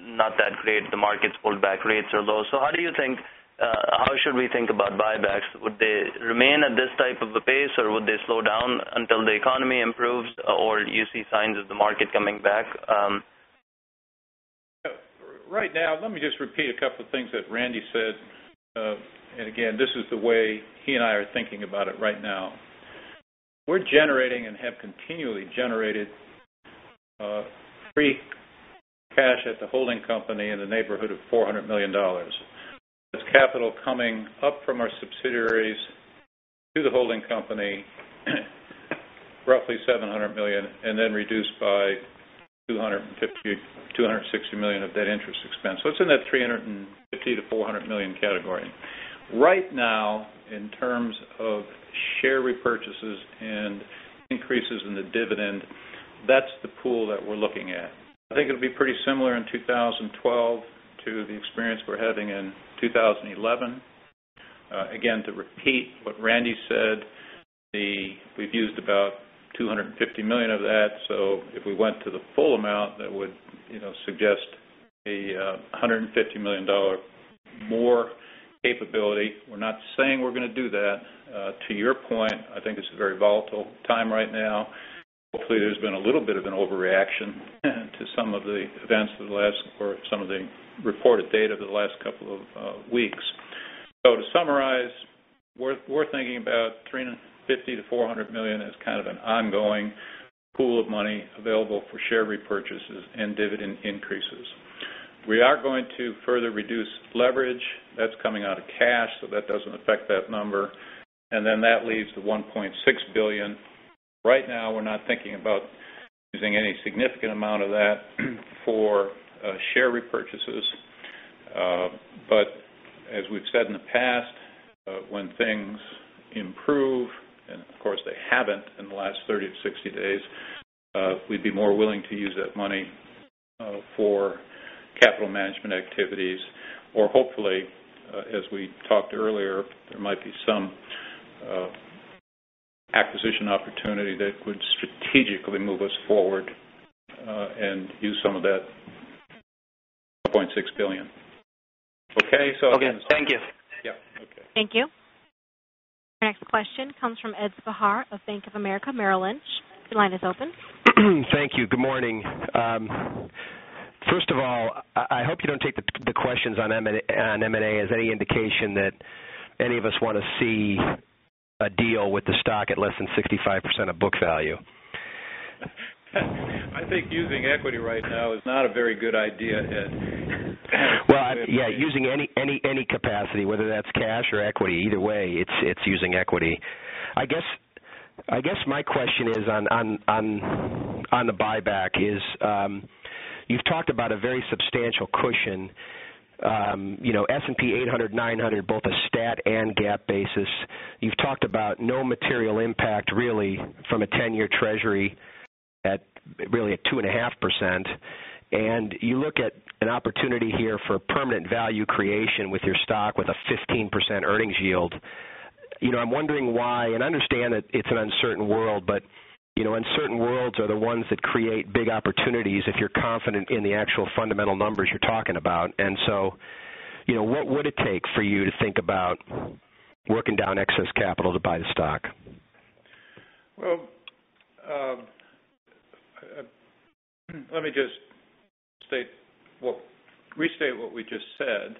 not that great. The market's pulled back. Rates are low. How should we think about buybacks? Would they remain at this type of a pace, or would they slow down until the economy improves? Do you see signs of the market coming back? Right now, let me just repeat a couple of things that Randy said. Again, this is the way he and I are thinking about it right now. We're generating and have continually generated free cash at the holding company in the neighborhood of $400 million. There's capital coming up from our subsidiaries to the holding company, roughly $700 million, reduced by $250 million-$260 million of that interest expense. It's in that $350 million-$400 million category. Right now, in terms of share repurchases and increases in the dividend, that's the pool that we're looking at. I think it'll be pretty similar in 2012 to the experience we're having in 2011. Again, to repeat what Randy said, we've used about $250 million of that, if we went to the full amount, that would suggest a $150 million more capability. We're not saying we're going to do that. To your point, I think it's a very volatile time right now. Hopefully, there's been a little bit of an overreaction to some of the events or some of the reported data over the last couple of weeks. To summarize, we're thinking about $350 million-$400 million as kind of an ongoing pool of money available for share repurchases and dividend increases. We are going to further reduce leverage. That's coming out of cash, so that doesn't affect that number. That leaves the $1.6 billion. Right now, we're not thinking about using any significant amount of that for share repurchases. As we've said in the past, when things improve, and of course they haven't in the last 30-60 days, we'd be more willing to use that money for capital management activities. Hopefully, as we talked earlier, there might be some acquisition opportunity that would strategically move us forward and use some of that $1.6 billion. Okay? Okay. Thank you. Yeah. Okay. Thank you. Your next question comes from Ed Spehar of Bank of America Merrill Lynch. Your line is open. Thank you. Good morning. First of all, I hope you don't take the questions on M&A as any indication that any of us want to see a deal with the stock at less than 65% of book value. I think using equity right now is not a very good idea, Ed. Well, yeah, using any capacity, whether that's cash or equity, either way, it's using equity. I guess my question is on the buyback is, you've talked about a very substantial cushion. S&P 800, 900, both a stat and GAAP basis. You've talked about no material impact, really, from a 10-year treasury at really a 2.5%. You look at an opportunity here for permanent value creation with your stock with a 15% earnings yield. I'm wondering why, I understand that it's an uncertain world, uncertain worlds are the ones that create big opportunities if you're confident in the actual fundamental numbers you're talking about. What would it take for you to think about working down excess capital to buy the stock? Let me just state, restate what we just said.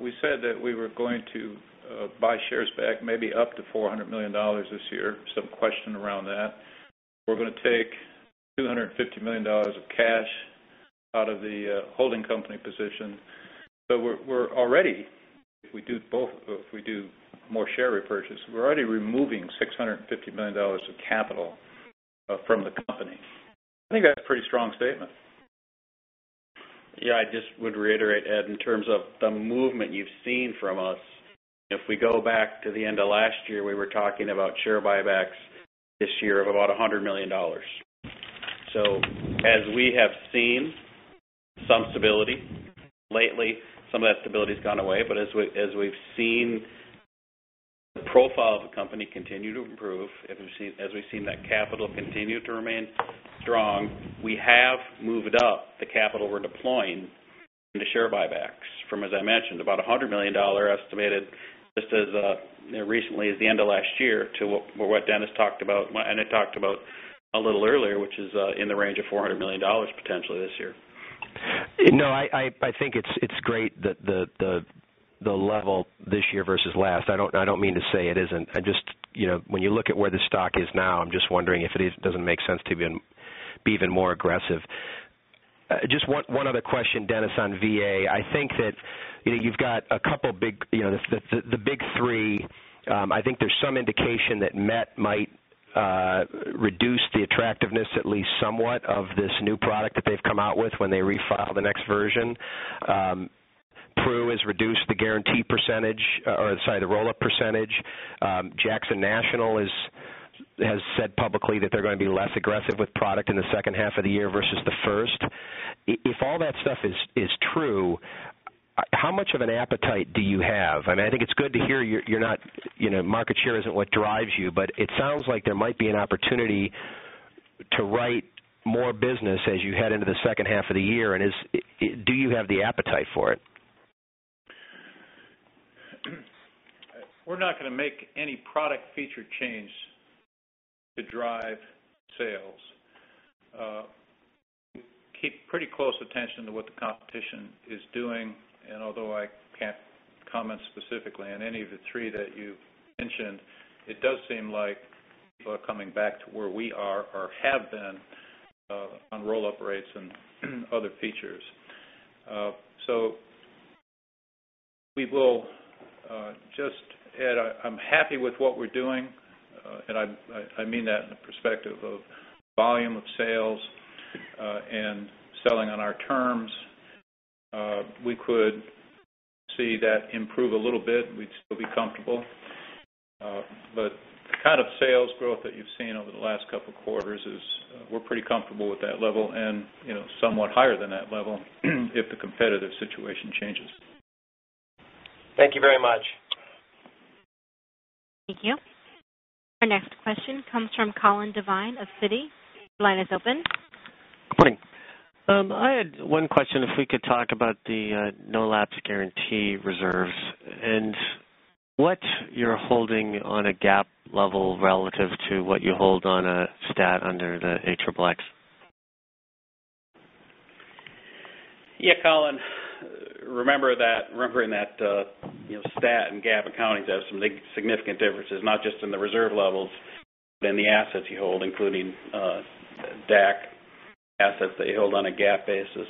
We said that we were going to buy shares back maybe up to $400 million this year, some question around that. We're going to take $250 million of cash out of the holding company position. We're already, if we do more share repurchase, we're already removing $650 million of capital from the company. I think that's a pretty strong statement. Yeah, I just would reiterate, Ed, in terms of the movement you've seen from us, if we go back to the end of last year, we were talking about share buybacks this year of about $100 million. As we have seen some stability lately, some of that stability's gone away, as we've seen the profile of the company continue to improve, as we've seen that capital continue to remain strong, we have moved up the capital we're deploying into share buybacks from, as I mentioned, about $100 million estimated just as recently as the end of last year to what Dennis talked about and I talked about a little earlier, which is in the range of $400 million potentially this year. No, I think it's great the level this year versus last. I don't mean to say it isn't. When you look at where the stock is now, I'm just wondering if it doesn't make sense to be even more aggressive. Just one other question, Dennis, on VA. I think that you've got the big three. I think there's some indication that MET might reduce the attractiveness at least somewhat of this new product that they've come out with when they refile the next version. Pru has reduced the guarantee percentage, or sorry, the roll-up percentage. Jackson National has said publicly that they're going to be less aggressive with product in the second half of the year versus the first. If all that stuff is true, how much of an appetite do you have? I think it's good to hear market share isn't what drives you, but it sounds like there might be an opportunity to write more business as you head into the second half of the year. Do you have the appetite for it? We're not going to make any product feature change to drive sales. We keep pretty close attention to what the competition is doing, and although I can't comment specifically on any of the three that you've mentioned, it does seem like people are coming back to where we are or have been on roll-up rates and other features. We will just add, I'm happy with what we're doing, and I mean that in the perspective of volume of sales, and selling on our terms. We could see that improve a little bit. We'd still be comfortable. The kind of sales growth that you've seen over the last couple of quarters is, we're pretty comfortable with that level and somewhat higher than that level if the competitive situation changes. Thank you very much. Thank you. Our next question comes from Colin Devine of Citi. Your line is open. Good morning. I had one question, if we could talk about the no-lapse guarantee reserves and what you're holding on a GAAP level relative to what you hold on a stat under the XXX. Colin. Remember that stat and GAAP accounting does some significant differences, not just in the reserve levels, but in the assets you hold, including DAC assets that you hold on a GAAP basis.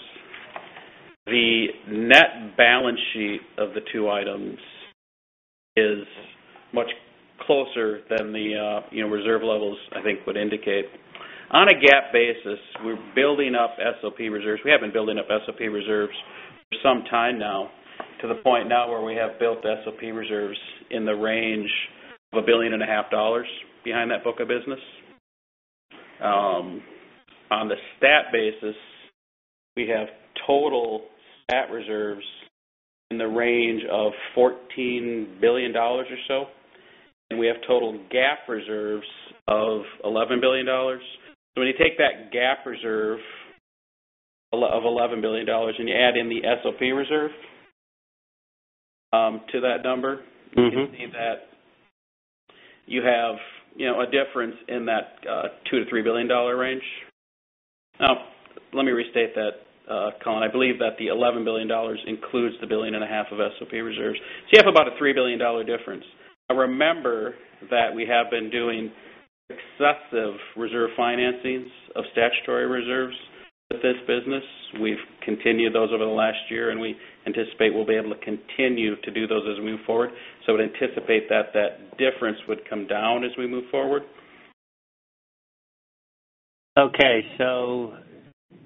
The net balance sheet of the two items is much closer than the reserve levels I think would indicate. On a GAAP basis, we're building up SOP reserves. We have been building up SOP reserves for some time now to the point now where we have built SOP reserves in the range of a billion and a half dollars behind that book of business. On the stat basis, we have total stat reserves in the range of $14 billion or so, and we have total GAAP reserves of $11 billion. When you take that GAAP reserve of $11 billion and you add in the SOP reserve to that number- you can see that you have a difference in that $2 to $3 billion range. Let me restate that, Colin. I believe that the $11 billion includes the billion and a half of SOP reserves. You have about a $3 billion difference. Remember that we have been doing successive reserve financings of statutory reserves with this business. We've continued those over the last year, and we anticipate we'll be able to continue to do those as we move forward. I would anticipate that that difference would come down as we move forward. Okay.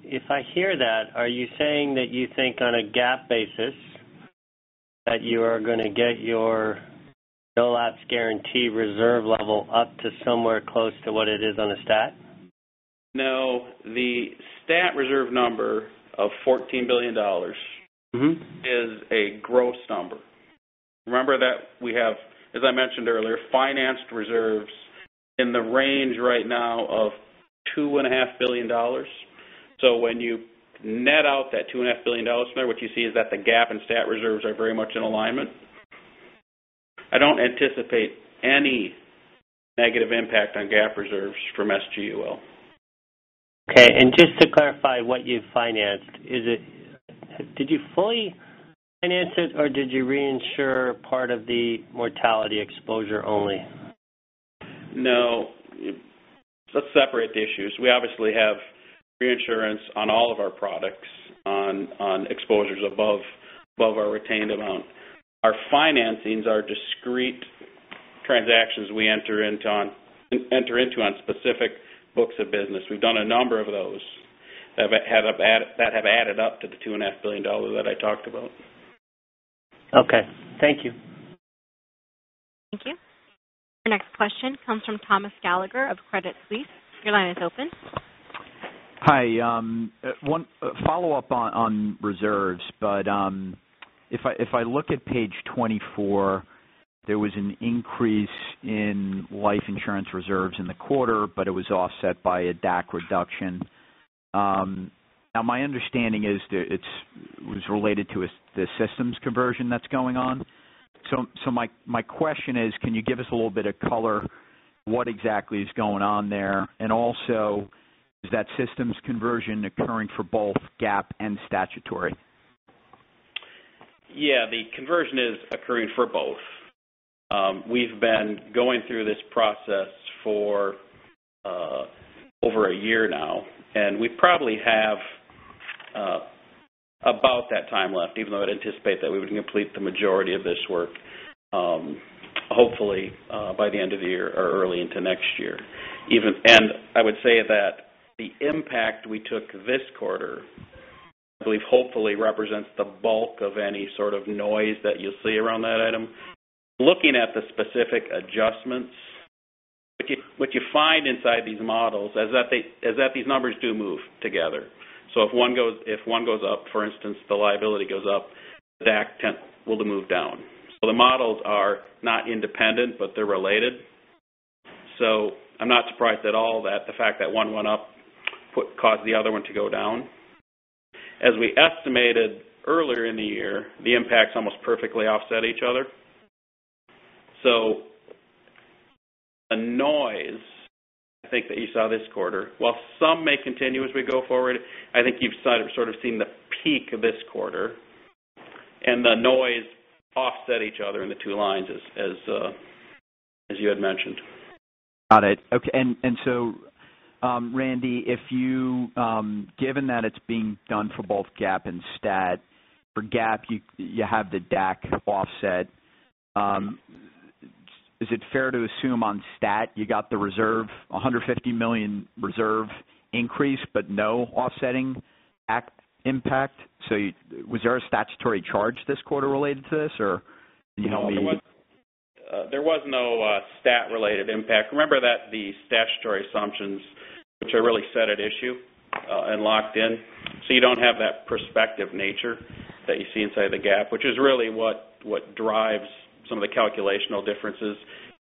If I hear that, are you saying that you think on a GAAP basis that you are going to get your no-lapse guarantee reserve level up to somewhere close to what it is on a stat? No, the stat reserve number of $14 billion- is a gross number. Remember that we have, as I mentioned earlier, financed reserves in the range right now of $2.5 billion. When you net out that $2.5 billion number, what you see is that the GAAP and stat reserves are very much in alignment. I don't anticipate any negative impact on GAAP reserves from SGUL. Okay. Just to clarify what you financed, did you fully finance it or did you reinsure part of the mortality exposure only? No. Let's separate the issues. We obviously have reinsurance on all of our products on exposures above our retained amount. Our financings are discrete transactions we enter into on specific books of business. We've done a number of those that have added up to the $2.5 billion that I talked about. Okay. Thank you. Thank you. Our next question comes from Thomas Gallagher of Credit Suisse. Your line is open. Hi. One follow-up on reserves. If I look at page 24, there was an increase in life insurance reserves in the quarter, but it was offset by a DAC reduction. My understanding is that it was related to the systems conversion that's going on. My question is, can you give us a little bit of color what exactly is going on there? Also, is that systems conversion occurring for both GAAP and statutory? Yeah, the conversion is occurring for both. We've been going through this process for over a year now, and we probably have about that time left, even though I'd anticipate that we would complete the majority of this work, hopefully, by the end of the year or early into next year. I would say that the impact we took this quarter, I believe, hopefully represents the bulk of any sort of noise that you'll see around that item. Looking at the specific adjustments, what you find inside these models is that these numbers do move together. If one goes up, for instance, the liability goes up, DAC will move down. The models are not independent, but they're related. I'm not surprised at all that the fact that one went up caused the other one to go down. As we estimated earlier in the year, the impacts almost perfectly offset each other. The noise I think that you saw this quarter, while some may continue as we go forward, I think you've sort of seen the peak of this quarter, and the noise offset each other in the two lines as you had mentioned. Got it. Okay. Randy, given that it's being done for both GAAP and stat, for GAAP you have the DAC offset. Is it fair to assume on stat you got the $150 million reserve increase, but no offsetting DAC impact? Was there a statutory charge this quarter related to this, or can you help me? There was no stat-related impact. Remember that the statutory assumptions, which are really set at issue and locked in. You don't have that perspective nature that you see inside of the GAAP, which is really what drives some of the calculational differences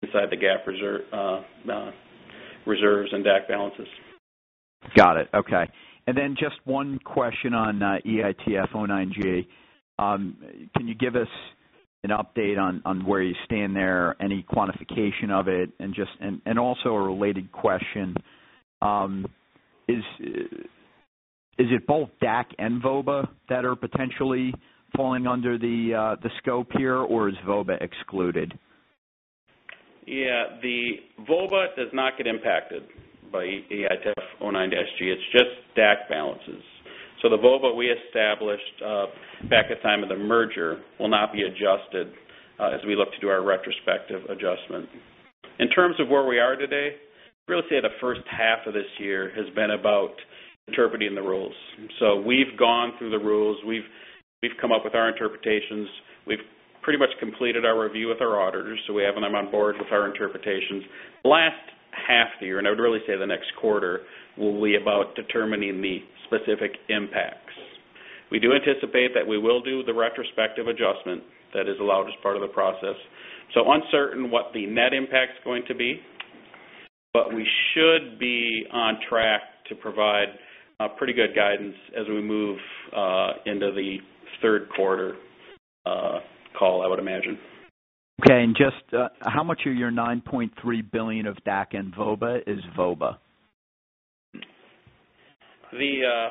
inside the GAAP reserves and DAC balances. Got it. Okay. Just one question on EITF 09-G. Can you give us an update on where you stand there, any quantification of it? A related question, is it both DAC and VOBA that are potentially falling under the scope here, or is VOBA excluded? Yeah. The VOBA does not get impacted by EITF 09-G. It's just DAC balances. The VOBA we established back at the time of the merger will not be adjusted as we look to do our retrospective adjustment. In terms of where we are today, really say the first half of this year has been about interpreting the rules. We've gone through the rules, we've come up with our interpretations. We've pretty much completed our review with our auditors, so we have them on board with our interpretations. Last half of the year, and I would really say the next quarter, will be about determining the specific impacts. We do anticipate that we will do the retrospective adjustment that is allowed as part of the process. Uncertain what the net impact is going to be, but we should be on track to provide a pretty good guidance as we move into the third quarter call, I would imagine. Okay. Just how much of your $9.3 billion of DAC and VOBA is VOBA? The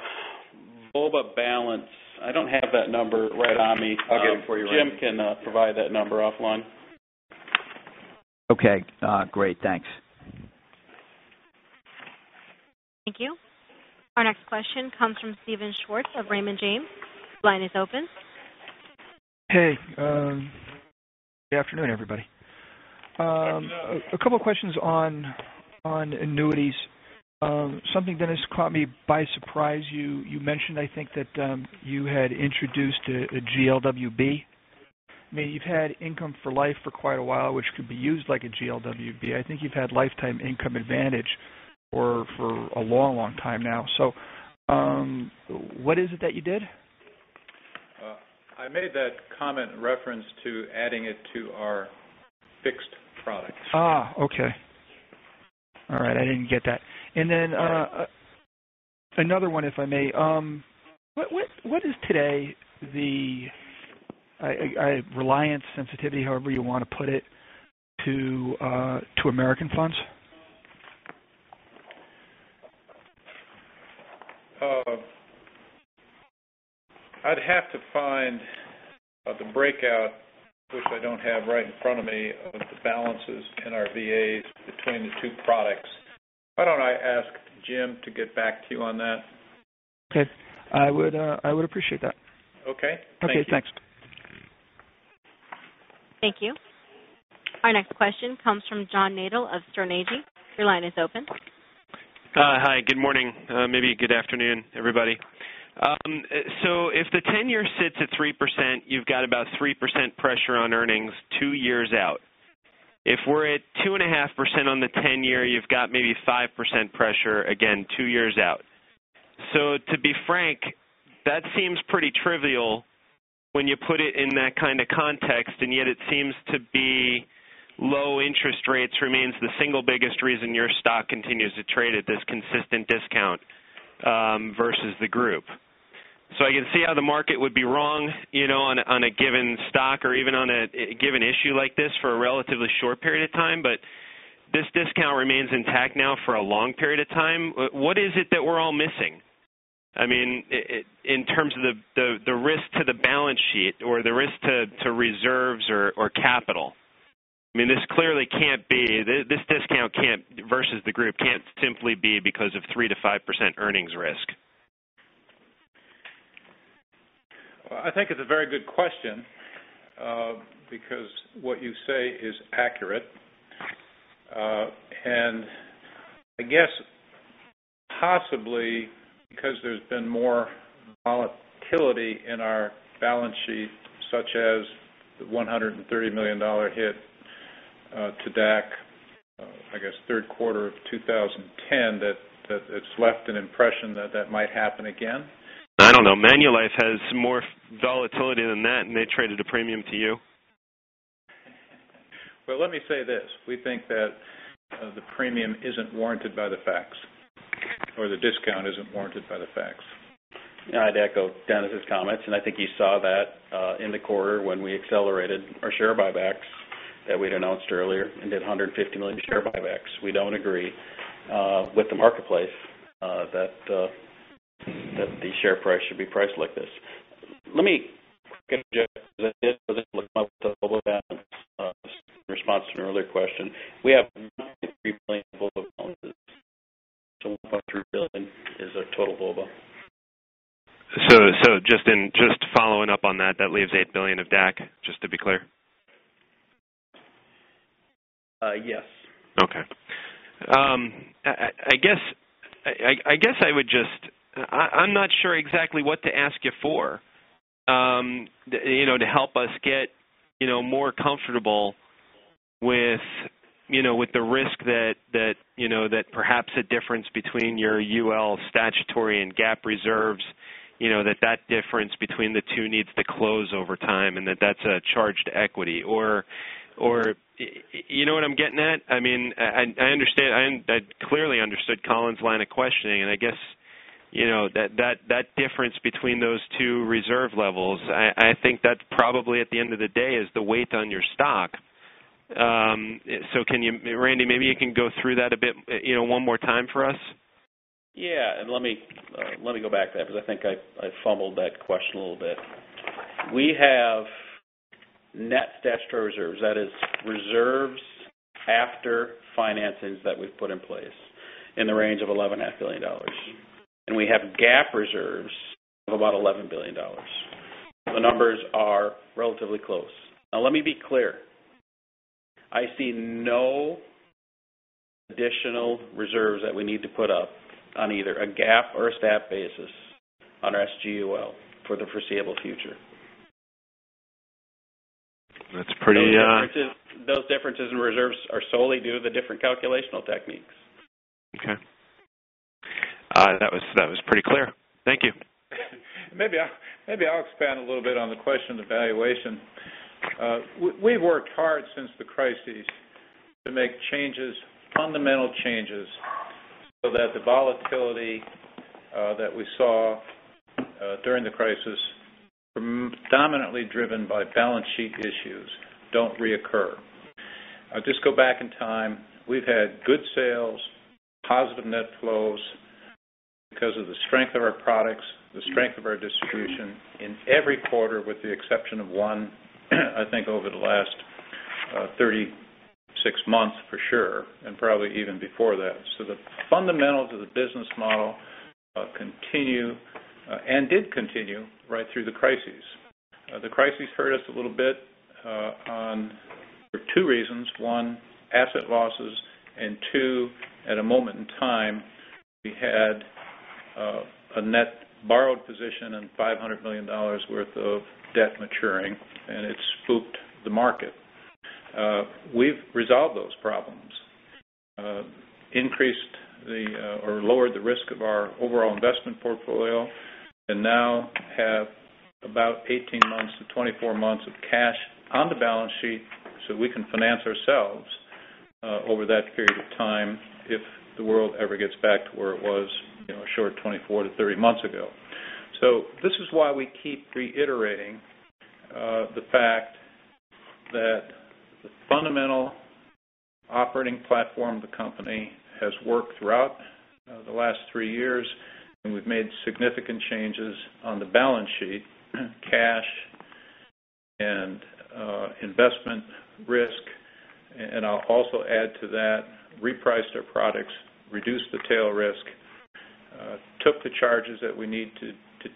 VOBA balance, I don't have that number right on me. I'll get it for you, Randy. Jim can provide that number offline. Okay, great. Thanks. Thank you. Our next question comes from Steven Schwartz of Raymond James. Line is open. Hey, good afternoon, everybody. Yes. A couple questions on annuities. Something that has caught me by surprise, you mentioned, I think, that you had introduced a GLWB. I mean, you've had income for life for quite a while, which could be used like a GLWB. I think you've had lifetime income advantage for a long time now. What is it that you did? I made that comment in reference to adding it to our fixed products. Okay. All right, I didn't get that. Another one if I may. What is today the reliance sensitivity, however you want to put it, to American Funds? I'd have to find the breakout, which I don't have right in front of me, of the balances in our VAs between the two products. Why don't I ask Jim to get back to you on that? Okay. I would appreciate that. Okay. Thank you. Okay, thanks. Thank you. Our next question comes from John Nadel of Sterne Agee. Your line is open. Hi, good morning. Maybe good afternoon, everybody. If the 10-year sits at 3%, you've got about 3% pressure on earnings two years out. If we're at 2.5% on the 10-year, you've got maybe 5% pressure, again, two years out. To be frank, that seems pretty trivial when you put it in that kind of context, and yet it seems to be low interest rates remains the single biggest reason your stock continues to trade at this consistent discount versus the group. I can see how the market would be wrong on a given stock or even on a given issue like this for a relatively short period of time, but this discount remains intact now for a long period of time. What is it that we're all missing? I mean, in terms of the risk to the balance sheet or the risk to reserves or capital. I mean, this discount versus the group can't simply be because of 3%-5% earnings risk. I think it's a very good question because what you say is accurate. I guess possibly because there's been more volatility in our balance sheet, such as the $130 million hit to DAC, I guess, third quarter of 2010, that it's left an impression that that might happen again. I don't know. Manulife has more volatility than that, and they traded a premium to you. Well, let me say this. We think that the premium isn't warranted by the facts or the discount isn't warranted by the facts. Yeah, I'd echo Dennis's comments. I think you saw that in the quarter when we accelerated our share buybacks that we'd announced earlier and did $150 million share buybacks. We don't agree with the marketplace that the share price should be priced like this. Let me kind of just respond to an earlier question. We have $9.3 billion balances. $1.3 billion is our total VOBA. Just following up on that leaves $8 billion of DAC, just to be clear? Yes. Okay. I'm not sure exactly what to ask you for to help us get more comfortable with the risk that perhaps the difference between your UL statutory and GAAP reserves, that difference between the two needs to close over time and that that's a charge to equity. You know what I'm getting at? I clearly understood Colin's line of questioning. I guess that difference between those two reserve levels, I think that probably at the end of the day is the weight on your stock. Randy, maybe you can go through that a bit one more time for us. Yeah. Let me go back to that because I think I fumbled that question a little bit. We have net statutory reserves, that is reserves after financings that we've put in place, in the range of $11.5 billion. We have GAAP reserves of about $11 billion. The numbers are relatively close. Let me be clear. I see no additional reserves that we need to put up on either a GAAP or a STAT basis on our SGUL for the foreseeable future. That's pretty- Those differences in reserves are solely due to the different calculational techniques. Okay. That was pretty clear. Thank you. Maybe I'll expand a little bit on the question of the valuation. We've worked hard since the crisis to make changes, fundamental changes, so that the volatility that we saw during the crisis, dominantly driven by balance sheet issues, don't reoccur. Just go back in time. We've had good sales, positive net flows because of the strength of our products, the strength of our distribution in every quarter with the exception of one, I think over the last 36 months for sure, and probably even before that. The fundamentals of the business model continue and did continue right through the crisis. The crisis hurt us a little bit for 2 reasons. 1, asset losses, and 2, at a moment in time, we had a net borrowed position and $500 million worth of debt maturing, and it spooked the market. We've resolved those problems. lowered the risk of our overall investment portfolio and now have about 18 months to 24 months of cash on the balance sheet, so we can finance ourselves over that period of time if the world ever gets back to where it was a short 24 to 30 months ago. This is why we keep reiterating the fact that the fundamental operating platform of the company has worked throughout the last 3 years, and we've made significant changes on the balance sheet, cash and investment risk. I'll also add to that, repriced our products, reduced the tail risk, took the charges that we need to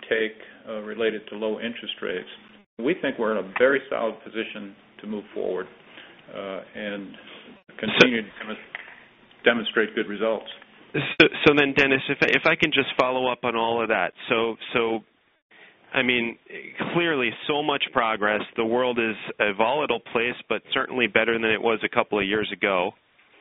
take related to low interest rates. We think we're in a very solid position to move forward and continue to kind of demonstrate good results. Dennis, if I can just follow up on all of that. Clearly, so much progress. The world is a volatile place, but certainly better than it was a couple of years ago.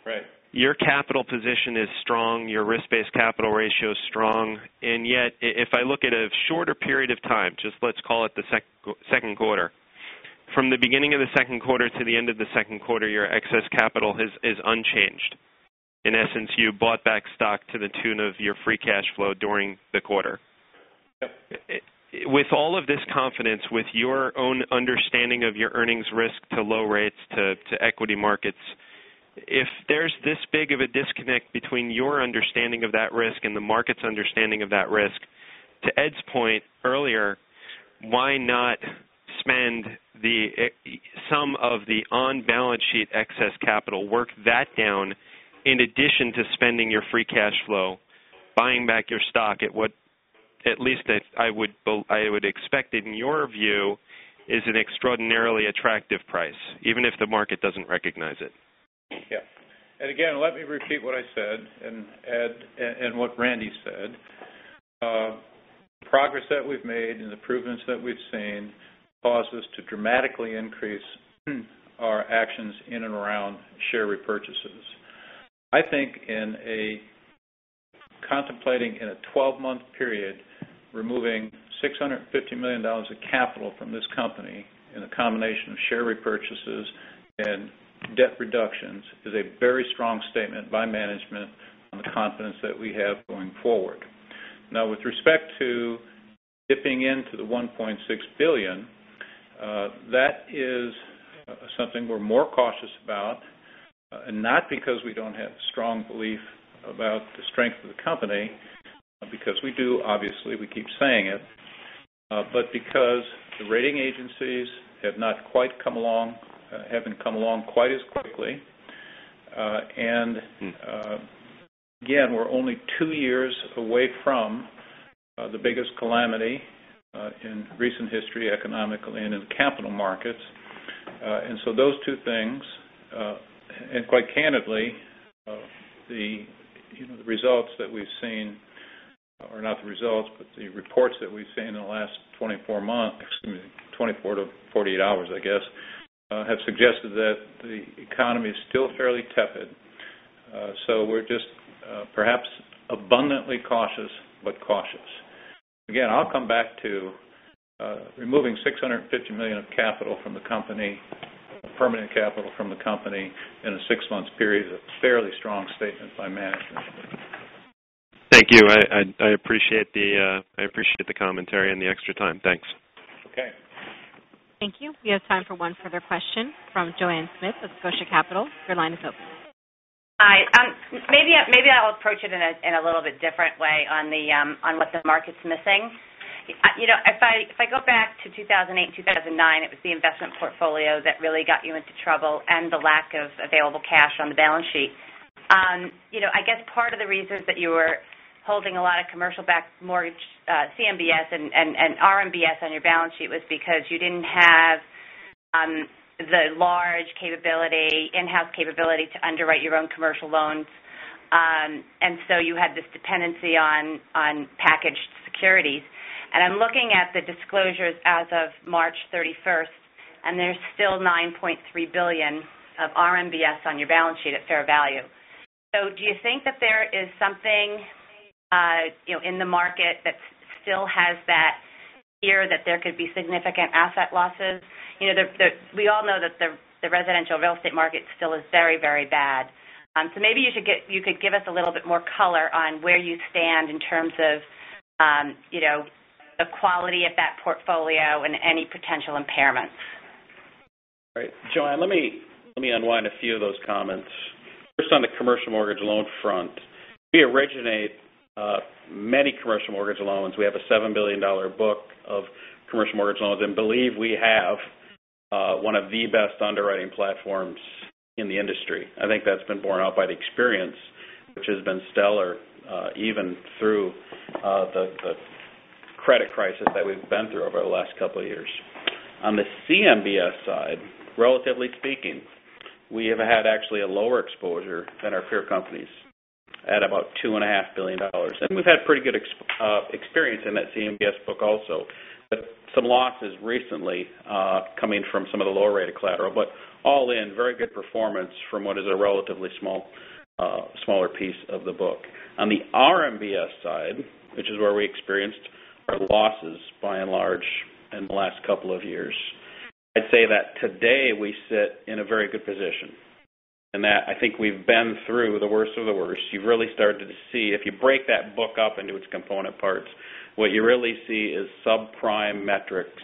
Right. Your capital position is strong, your risk-based capital ratio is strong. If I look at a shorter period of time, just let's call it the second quarter. From the beginning of the second quarter to the end of the second quarter, your excess capital is unchanged. In essence, you bought back stock to the tune of your free cash flow during the quarter. Yep. With all of this confidence, with your own understanding of your earnings risk to low rates to equity markets. If there's this big of a disconnect between your understanding of that risk and the market's understanding of that risk, to Ed's point earlier, why not spend some of the on-balance sheet excess capital, work that down in addition to spending your free cash flow, buying back your stock at what at least I would expect in your view, is an extraordinarily attractive price, even if the market doesn't recognize it. Yeah. Again, let me repeat what I said and what Randy said. Progress that we've made and improvements that we've seen cause us to dramatically increase our actions in and around share repurchases. I think in contemplating in a 12-month period, removing $650 million of capital from this company in a combination of share repurchases and debt reductions is a very strong statement by management on the confidence that we have going forward. Now, with respect to dipping into the $1.6 billion, that is something we're more cautious about. Not because we don't have strong belief about the strength of the company, because we do, obviously, we keep saying it. Because the rating agencies haven't come along quite as quickly. Again, we're only two years away from the biggest calamity in recent history, economically and in capital markets. Those two things, and quite candidly the results that we've seen or not the results, but the reports that we've seen in the last 24 months, excuse me, 24-48 hours, I guess, have suggested that the economy is still fairly tepid. We're just perhaps abundantly cautious, but cautious. Again, I'll come back to removing $650 million of capital from the company, permanent capital from the company in a six-month period is a fairly strong statement by management. Thank you. I appreciate the commentary and the extra time. Thanks. Okay. Thank you. We have time for one further question from Joanne Smith of Scotia Capital. Your line is open. Hi. Maybe I'll approach it in a little bit different way on what the market's missing. If I go back to 2008, 2009, it was the investment portfolio that really got you into trouble and the lack of available cash on the balance sheet. I guess part of the reasons that you were holding a lot of commercial-backed mortgage CMBS and RMBS on your balance sheet was because you didn't have the large in-house capability to underwrite your own commercial loans. You had this dependency on packaged securities. I'm looking at the disclosures as of March 31st, and there's still $9.3 billion of RMBS on your balance sheet at fair value. Do you think that there is something in the market that still has that fear that there could be significant asset losses? We all know that the residential real estate market still is very bad. Maybe you could give us a little bit more color on where you stand in terms of the quality of that portfolio and any potential impairments. Right. Joanne, let me unwind a few of those comments. First, on the commercial mortgage loan front. We originate many commercial mortgage loans. We have a $7 billion book of commercial mortgage loans and believe we have one of the best underwriting platforms in the industry. I think that's been borne out by the experience, which has been stellar even through the credit crisis that we've been through over the last couple of years. On the CMBS side, relatively speaking, we have had actually a lower exposure than our peer companies at about $2.5 billion. We've had pretty good experience in that CMBS book also. Some losses recently coming from some of the lower rate of collateral. All in very good performance from what is a relatively smaller piece of the book. On the RMBS side, which is where we experienced Our losses by and large in the last two years. I'd say that today we sit in a very good position, that I think we've been through the worst of the worst. You've really started to see if you break that book up into its component parts, what you really see is subprime metrics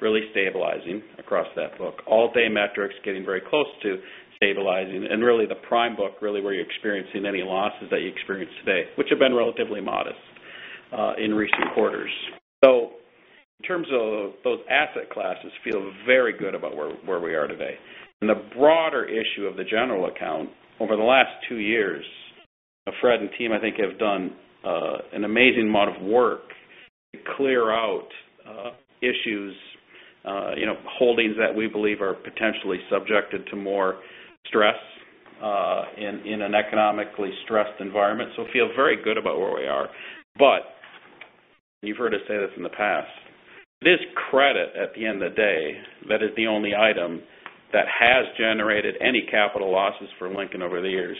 really stabilizing across that book. Alt-A metrics getting very close to stabilizing. Really the prime book really where you're experiencing any losses that you experience today, which have been relatively modest in recent quarters. In terms of those asset classes, feel very good about where we are today. The broader issue of the general account over the last two years, Fred and team I think have done an amazing amount of work to clear out issues, holdings that we believe are potentially subjected to more stress in an economically stressed environment. Feel very good about where we are. You've heard us say this in the past. It is credit at the end of the day, that is the only item that has generated any capital losses for Lincoln over the years.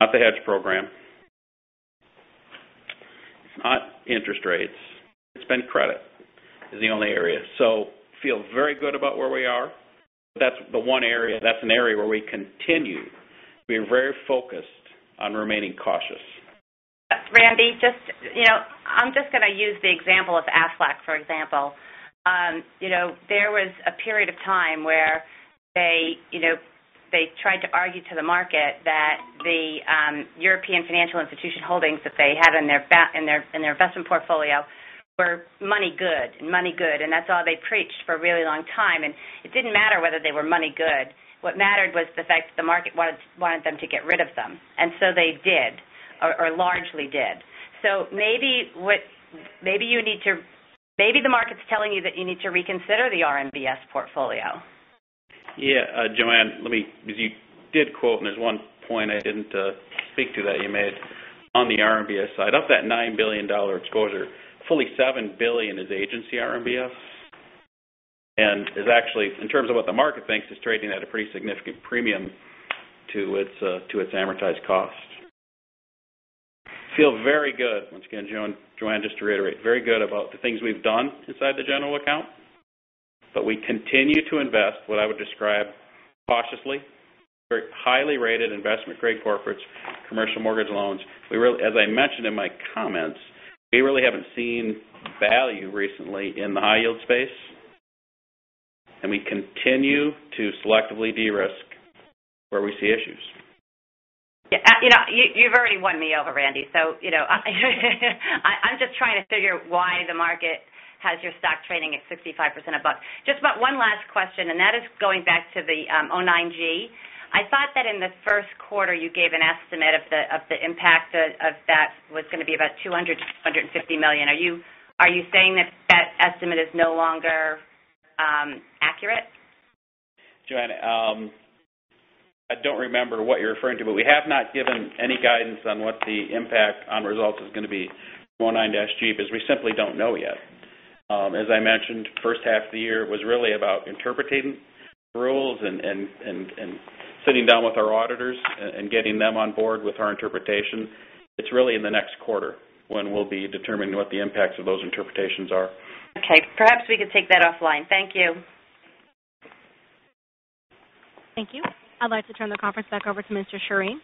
Not the hedge program. It's not interest rates. It's been credit is the only area. Feel very good about where we are. That's the one area, that's an area where we continue to be very focused on remaining cautious. Randy, just, you know, I'm just going to use the example of Aflac, for example. You know, there was a period of time where they, you know, they tried to argue to the market that the European financial institution holdings that they had in their investment portfolio were money good, that's all they preached for a really long time. It didn't matter whether they were money good. What mattered was the fact that the market wanted them to get rid of them, they did or largely did. Maybe the market's telling you that you need to reconsider the RMBS portfolio. Yeah. Joanne, let me, because you did quote, there's one point I didn't speak to that you made on the RMBS side. Of that $9 billion exposure, fully $7 billion is agency RMBS. Is actually, in terms of what the market thinks, it's trading at a pretty significant premium to its amortized cost. Feel very good, once again, Joanne, just to reiterate, very good about the things we've done inside the general account. We continue to invest what I would describe cautiously, very highly rated investment-grade corporates, commercial mortgage loans. As I mentioned in my comments, we really haven't seen value recently in the high yield space. We continue to selectively de-risk where we see issues. Yeah, you know, you've already won me over, Randy. You know, I'm just trying to figure out why the market has your stock trading at 65% above. Just about one last question, and that is going back to the 09-G. I thought that in the first quarter you gave an estimate of the impact of that was going to be about $200 million-$250 million. Are you saying that that estimate is no longer accurate? Joanne, I don't remember what you're referring to, but we have not given any guidance on what the impact on results is going to be for 09-G because we simply don't know yet. As I mentioned, first half of the year was really about interpreting rules and sitting down with our auditors and getting them on board with our interpretation. It's really in the next quarter when we'll be determining what the impacts of those interpretations are. Okay. Perhaps we could take that offline. Thank you. Thank you. I'd like to turn the conference back over to Mr. Sjoreen.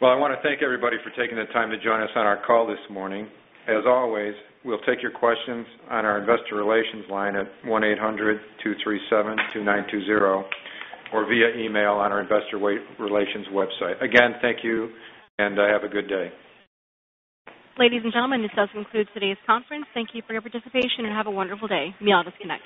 Well, I want to thank everybody for taking the time to join us on our call this morning. As always, we'll take your questions on our investor relations line at 1-800-237-2920 or via email on our investor relations website. Again, thank you, and have a good day. Ladies and gentlemen, this does conclude today's conference. Thank you for your participation and have a wonderful day. You may disconnect.